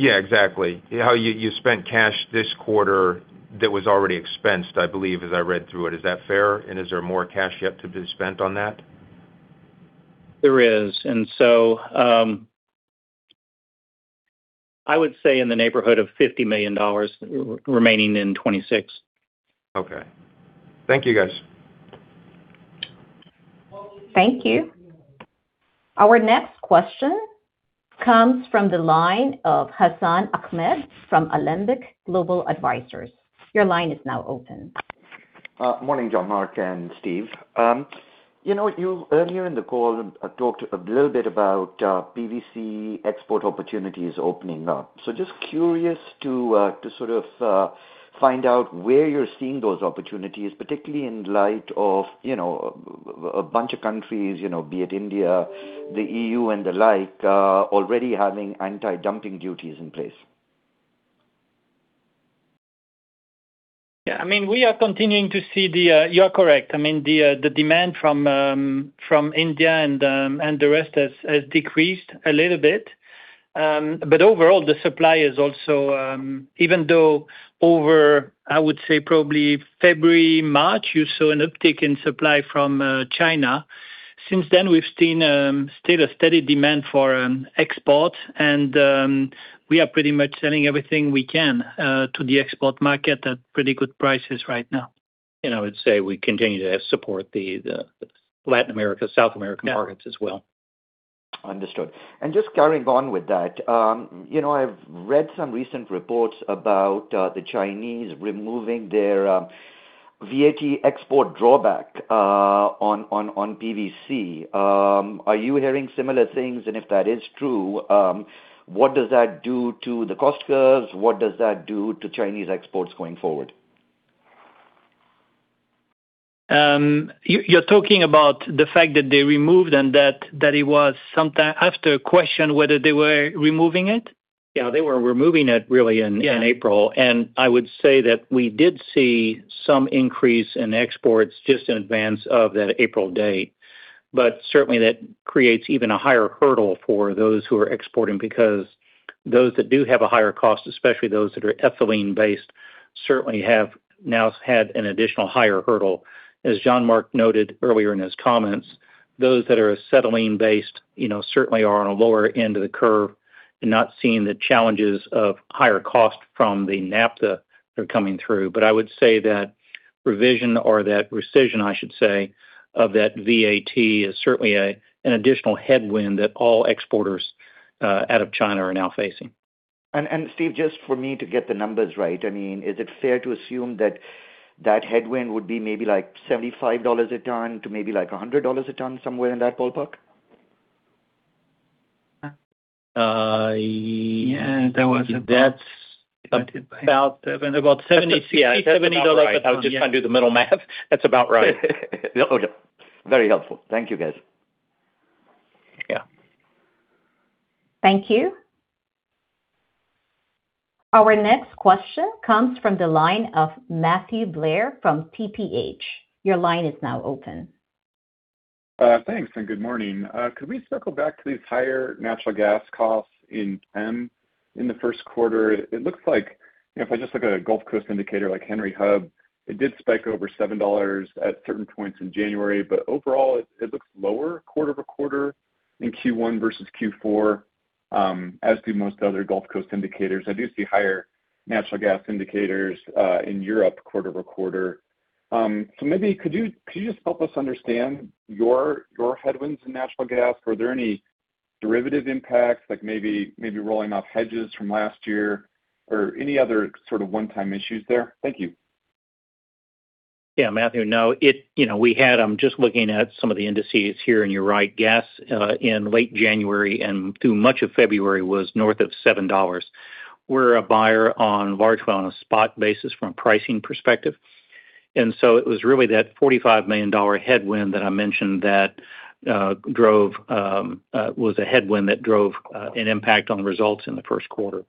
Yeah. Yeah, exactly. How you spent cash this quarter that was already expensed, I believe, as I read through it. Is that fair? Is there more cash yet to be spent on that? There is. I would say in the neighborhood of $50 million remaining in 2026. Okay. Thank you, guys. Thank you. Our next question comes from the line of Hassan Ahmed from Alembic Global Advisors. Your line is now open. Morning, Jean-Marc and Steve. You know, you earlier in the call talked a little bit about PVC export opportunities opening up. Just curious to sort of find out where you're seeing those opportunities, particularly in light of, you know, a bunch of countries, you know, be it India, the EU, and the like, already having anti-dumping duties in place. Yeah, you are correct. I mean, the demand from India and the rest has decreased a little bit. Overall, the supply is also, even though over, I would say probably February, March, you saw an uptick in supply from China. Since then, we've seen still a steady demand for export and we are pretty much selling everything we can to the export market at pretty good prices right now. I would say we continue to support the Latin America, South American markets as well. Understood. Just carrying on with that, you know, I've read some recent reports about the Chinese removing their VAT export drawback on PVC. Are you hearing similar things? If that is true, what does that do to the cost curves? What does that do to Chinese exports going forward? You're talking about the fact that they removed and that it was sometime after question whether they were removing it? Yeah, they were removing it really in- Yeah. In April. I would say that we did see some increase in exports just in advance of that April date. Certainly, that creates even a higher hurdle for those who are exporting. Those that do have a higher cost, especially those that are ethylene-based, certainly have now had an additional higher hurdle. As Jean-Marc noted earlier in his comments, those that are acetylene-based, you know, certainly are on a lower end of the curve and not seeing the challenges of higher cost from the naphtha that are coming through. I would say that revision or that rescission, I should say, of that VAT is certainly an additional headwind that all exporters out of China are now facing. Steve, just for me to get the numbers right, I mean, is it fair to assume that that headwind would be maybe like $75 a ton to maybe like $100 a ton, somewhere in that ballpark? Uh- Yeah. That's about- $60-$70 a ton, yeah. I was just trying to do the mental math. That's about right. Okay. Very helpful. Thank you, guys. Yeah. Thank you. Our next question comes from the line of Matthew Blair from TPH. Your line is now open. Thanks, good morning. Could we circle back to these higher natural gas costs in PEM in the first quarter? It looks like if I just look at a Gulf Coast indicator like Henry Hub, it did spike over $7 at certain points in January, overall it looks lower quarter-over-quarter in Q1 versus Q4, as do most other Gulf Coast indicators. I do see higher natural gas indicators in Europe quarter-over-quarter. Maybe could you just help us understand your headwinds in natural gas? Were there any derivative impacts, like maybe rolling off hedges from last year or any other sort of one-time issues there? Thank you. Yeah, Matthew. You know, we had, I'm just looking at some of the indices here, and you're right. Gas, in late January and through much of February was north of $7. We're a buyer on large volume on a spot basis from a pricing perspective. It was really that $45 million headwind that I mentioned that drove, was a headwind that drove an impact on the results in the first quarter.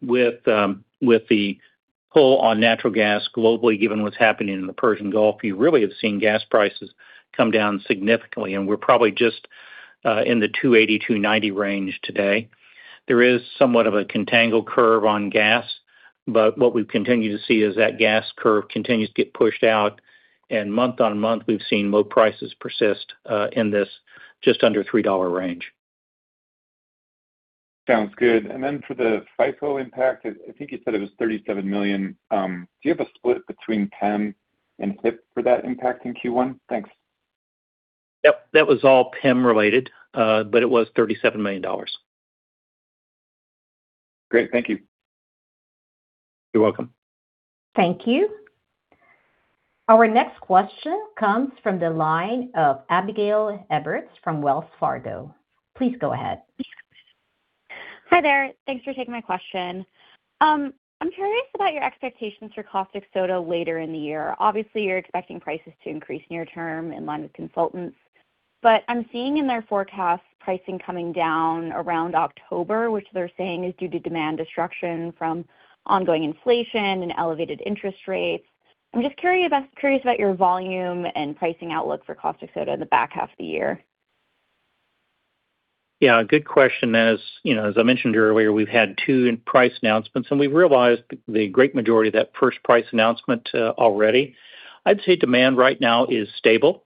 With the pull on natural gas globally, given what's happening in the Persian Gulf, you really have seen gas prices come down significantly, and we're probably just in the $2.80-$2.90 range today. There is somewhat of a contango curve on gas, but what we continue to see is that gas curve continues to get pushed out, and month-on-month, we've seen low prices persist in this just under $3 range. Sounds good. For the FIFO impact, I think you said it was $37 million. Do you have a split between PEM and HIP for that impact in Q1? Thanks. Yep. That was all PEM related, but it was $37 million. Great. Thank you. You're welcome. Thank you. Our next question comes from the line of Abigail Eberts from Wells Fargo. Please go ahead. Hi there. Thanks for taking my question. I'm curious about your expectations for caustic soda later in the year. Obviously, you're expecting prices to increase near term in line with consultants, but I'm seeing in their forecast pricing coming down around October, which they're saying is due to demand destruction from ongoing inflation and elevated interest rates. I'm just curious about your volume and pricing outlook for caustic soda in the back half of the year. Yeah, good question. As, you know, as I mentioned earlier, we've had two price announcements, and we've realized the great majority of that first price announcement already. I'd say demand right now is stable.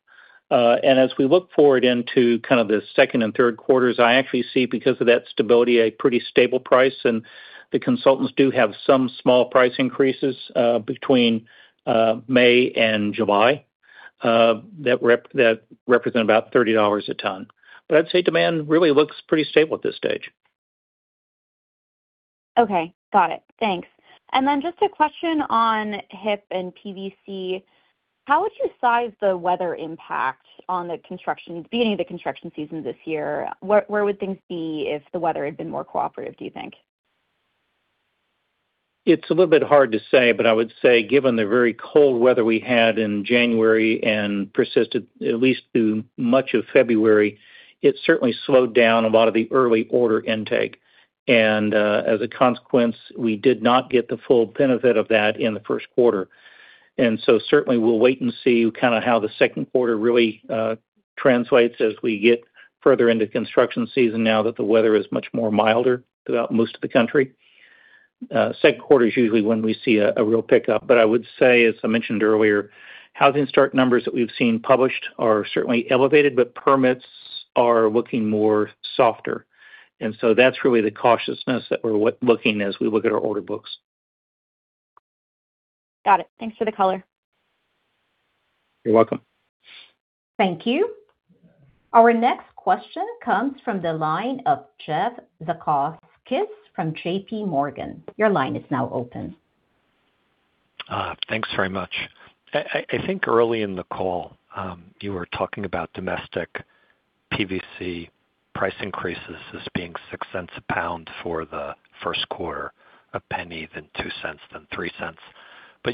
As we look forward into kind of the second and third quarters, I actually see, because of that stability, a pretty stable price. The consultants do have some small price increases between May and July that represent about $30 a ton. I'd say demand really looks pretty stable at this stage. Okay. Got it. Thanks. Just a question on HIP and PVC. How would you size the weather impact on the construction, beginning of the construction season this year? Where would things be if the weather had been more cooperative, do you think? It's a little bit hard to say, but I would say given the very cold weather we had in January and persisted at least through much of February, it certainly slowed down a lot of the early order intake. As a consequence, we did not get the full benefit of that in the first quarter. Certainly we'll wait and see kind of how the second quarter really translates as we get further into construction season now that the weather is much more milder throughout most of the country. Second quarter is usually when we see a real pickup. I would say, as I mentioned earlier, housing start numbers that we've seen published are certainly elevated, but permits are looking more softer. That's really the cautiousness that we're looking as we look at our order books. Got it. Thanks for the color. You're welcome. Thank you. Our next question comes from the line of Jeff Zekauskas from JPMorgan. Your line is now open. thanks very much. I think early in the call, you were talking about domestic PVC price increases as being $0.06 a pound for the first quarter, $0.01, then $0.02, then $0.03.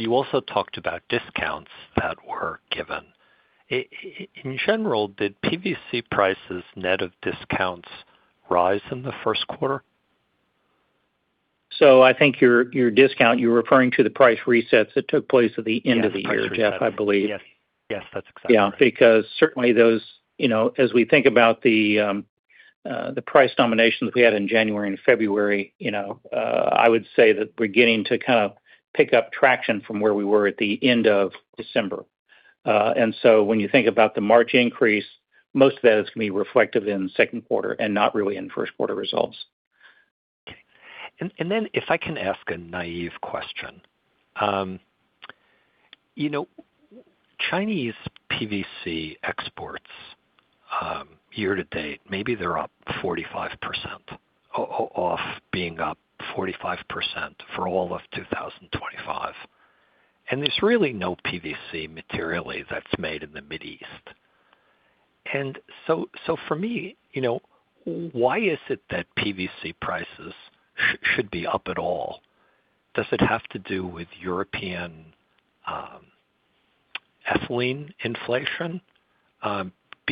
You also talked about discounts that were given. In general, did PVC prices net of discounts rise in the first quarter? I think your discount, you're referring to the price resets that took place at the end of the year, Jeff, I believe. Yes. That's exactly right. Yeah. Certainly those, you know, as we think about the price nominations we had in January and February, you know, I would say that we're beginning to kind of pick up traction from where we were at the end of December. When you think about the March increase, most of that is gonna be reflective in second quarter and not really in first quarter results. Okay. Then if I can ask a naive question. You know, Chinese PVC exports, year to date, maybe they're up 45% for all of 2025. There's really no PVC materially that's made in the Mid East. For me, you know, why is it that PVC prices should be up at all? Does it have to do with European ethylene inflation?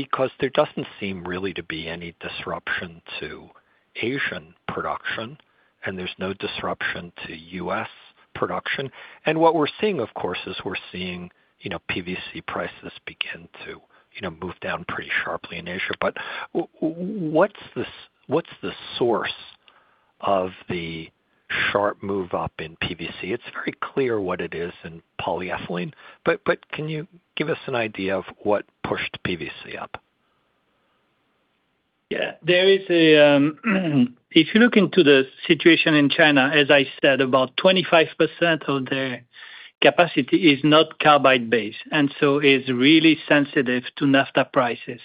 Because there doesn't seem really to be any disruption to Asian production, and there's no disruption to U.S. production. What we're seeing, of course, is we're seeing, you know, PVC prices begin to, you know, move down pretty sharply in Asia. What's the source of the sharp move up in PVC? It's very clear what it is in polyethylene, but can you give us an idea of what pushed PVC up? Yeah. There is a, if you look into the situation in China, as I said, about 25% of their capacity is not carbide-based, is really sensitive to naphtha prices.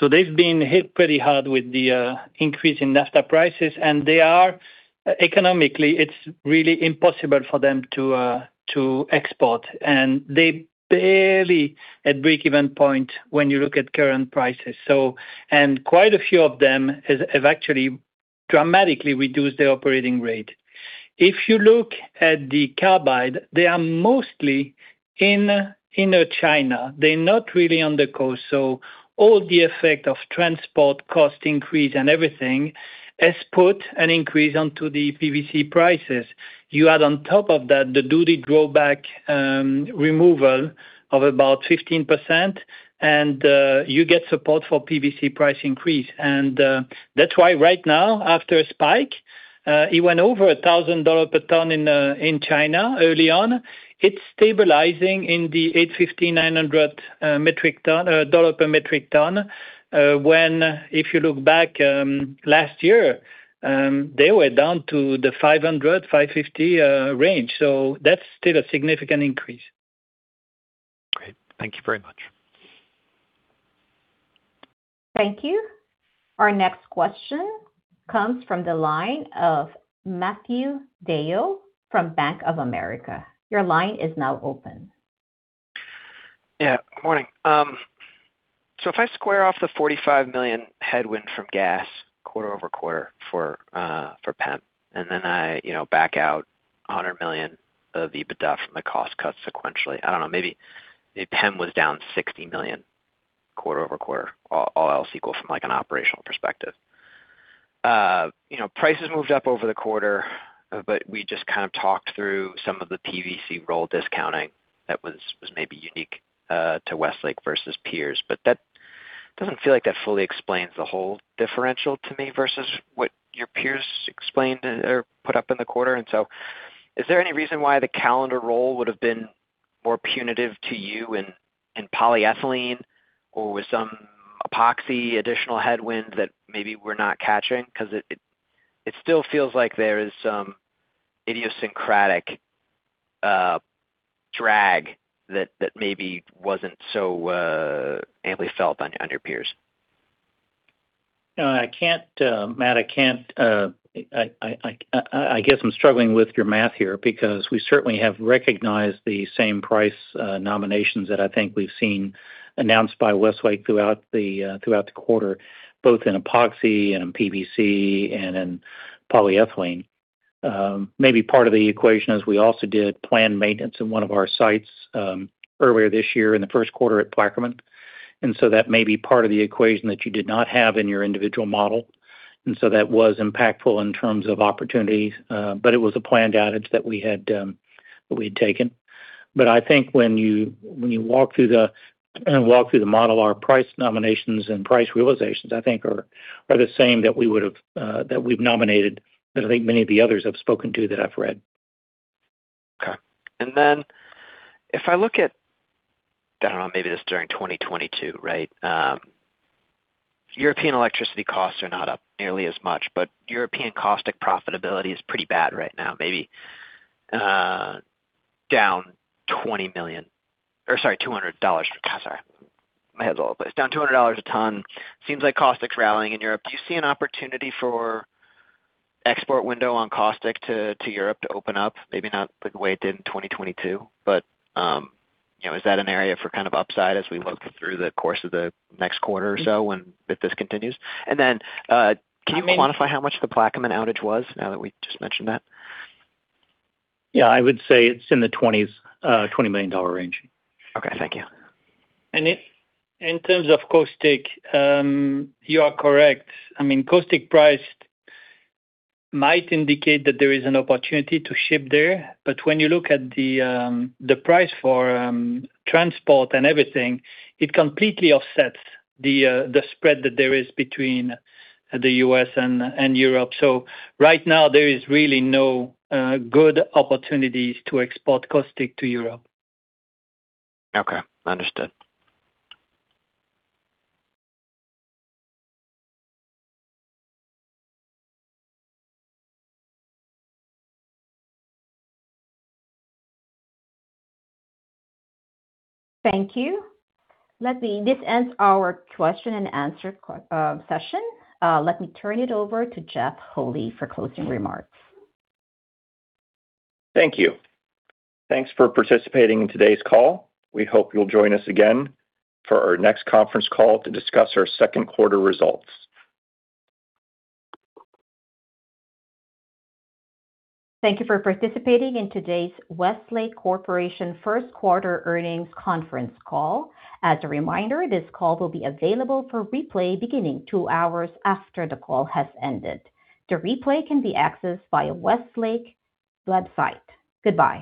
They've been hit pretty hard with the increase in naphtha prices, they are economically, it's really impossible for them to export. They barely at break-even point when you look at current prices. Quite a few of them have actually dramatically reduced their operating rate. If you look at the carbide, they are mostly in inner China. They're not really on the coast, all the effect of transport cost increase and everything has put an increase onto the PVC prices. You add on top of that the duty drawback, removal of about 15%, you get support for PVC price increase. That's why right now, after a spike, it went over $1,000 per ton in China early on. It's stabilizing in the $850, $900 per metric ton. When if you look back, last year, they were down to the $500, $550 range. That's still a significant increase. Great. Thank you very much. Thank you. Our next question comes from the line of Matthew DeYoe from Bank of America. Your line is now open. Morning. If I square off the $45 million headwind from gas quarter-over-quarter for PEM, and then I, you know, back out $100 million of EBITDA from the cost cuts sequentially. I don't know, maybe PEM was down $60 million quarter-over-quarter, all else equal from, like, an operational perspective. You know, prices moved up over the quarter, but we just kind of talked through some of the PVC roll discounting that was maybe unique to Westlake versus peers. That doesn't feel like that fully explains the whole differential to me versus what your peers explained or put up in the quarter. Is there any reason why the calendar roll would have been more punitive to you in polyethylene or was some epoxy additional headwind that maybe we're not catching? It still feels like there is some idiosyncratic drag that maybe wasn't so amply felt on your peers. No, I can't, Matthew, I can't, I guess I'm struggling with your math here because we certainly have recognized the same price nominations that I think we've seen announced by Westlake throughout the quarter, both in epoxy and in PVC and in polyethylene. Maybe part of the equation is we also did planned maintenance in one of our sites, earlier this year in the first quarter at Plaquemine. That may be part of the equation that you did not have in your individual model. That was impactful in terms of opportunities, but it was a planned outage that we had, that we had taken. I think when you walk through the model, our price nominations and price realizations, I think are the same that we would've that we've nominated that I think many of the others have spoken to that I've read. Okay. If I look at, I don't know, maybe this is during 2022, right? European electricity costs are not up nearly as much, but European caustic profitability is pretty bad right now, maybe, down $20 million. Sorry, $200. God, sorry. My head's all over the place. Down $200 a ton. Seems like caustic's rallying in Europe. Do you see an opportunity for export window on caustic to Europe to open up? Maybe not the way it did in 2022, but, you know, is that an area for kind of upside as we look through the course of the next quarter or so if this continues? I mean- Can you quantify how much the Plaquemine outage was now that we just mentioned that? Yeah. I would say it's in the 20s, $20 million range. Okay, thank you. In terms of caustic, you are correct. I mean, caustic price might indicate that there is an opportunity to ship there. When you look at the price for transport and everything, it completely offsets the spread that there is between the U.S. and Europe. Right now, there is really no good opportunities to export caustic to Europe. Okay. Understood. Thank you. This ends our question-and-answer session. Let me turn it over to Jeff Holy for closing remarks. Thank you. Thanks for participating in today's call. We hope you'll join us again for our next conference call to discuss our second quarter results. Thank you for participating in today's Westlake Corporation first quarter earnings conference call. As a reminder, this call will be available for replay beginning two hours after the call has ended. The replay can be accessed via Westlake website. Goodbye.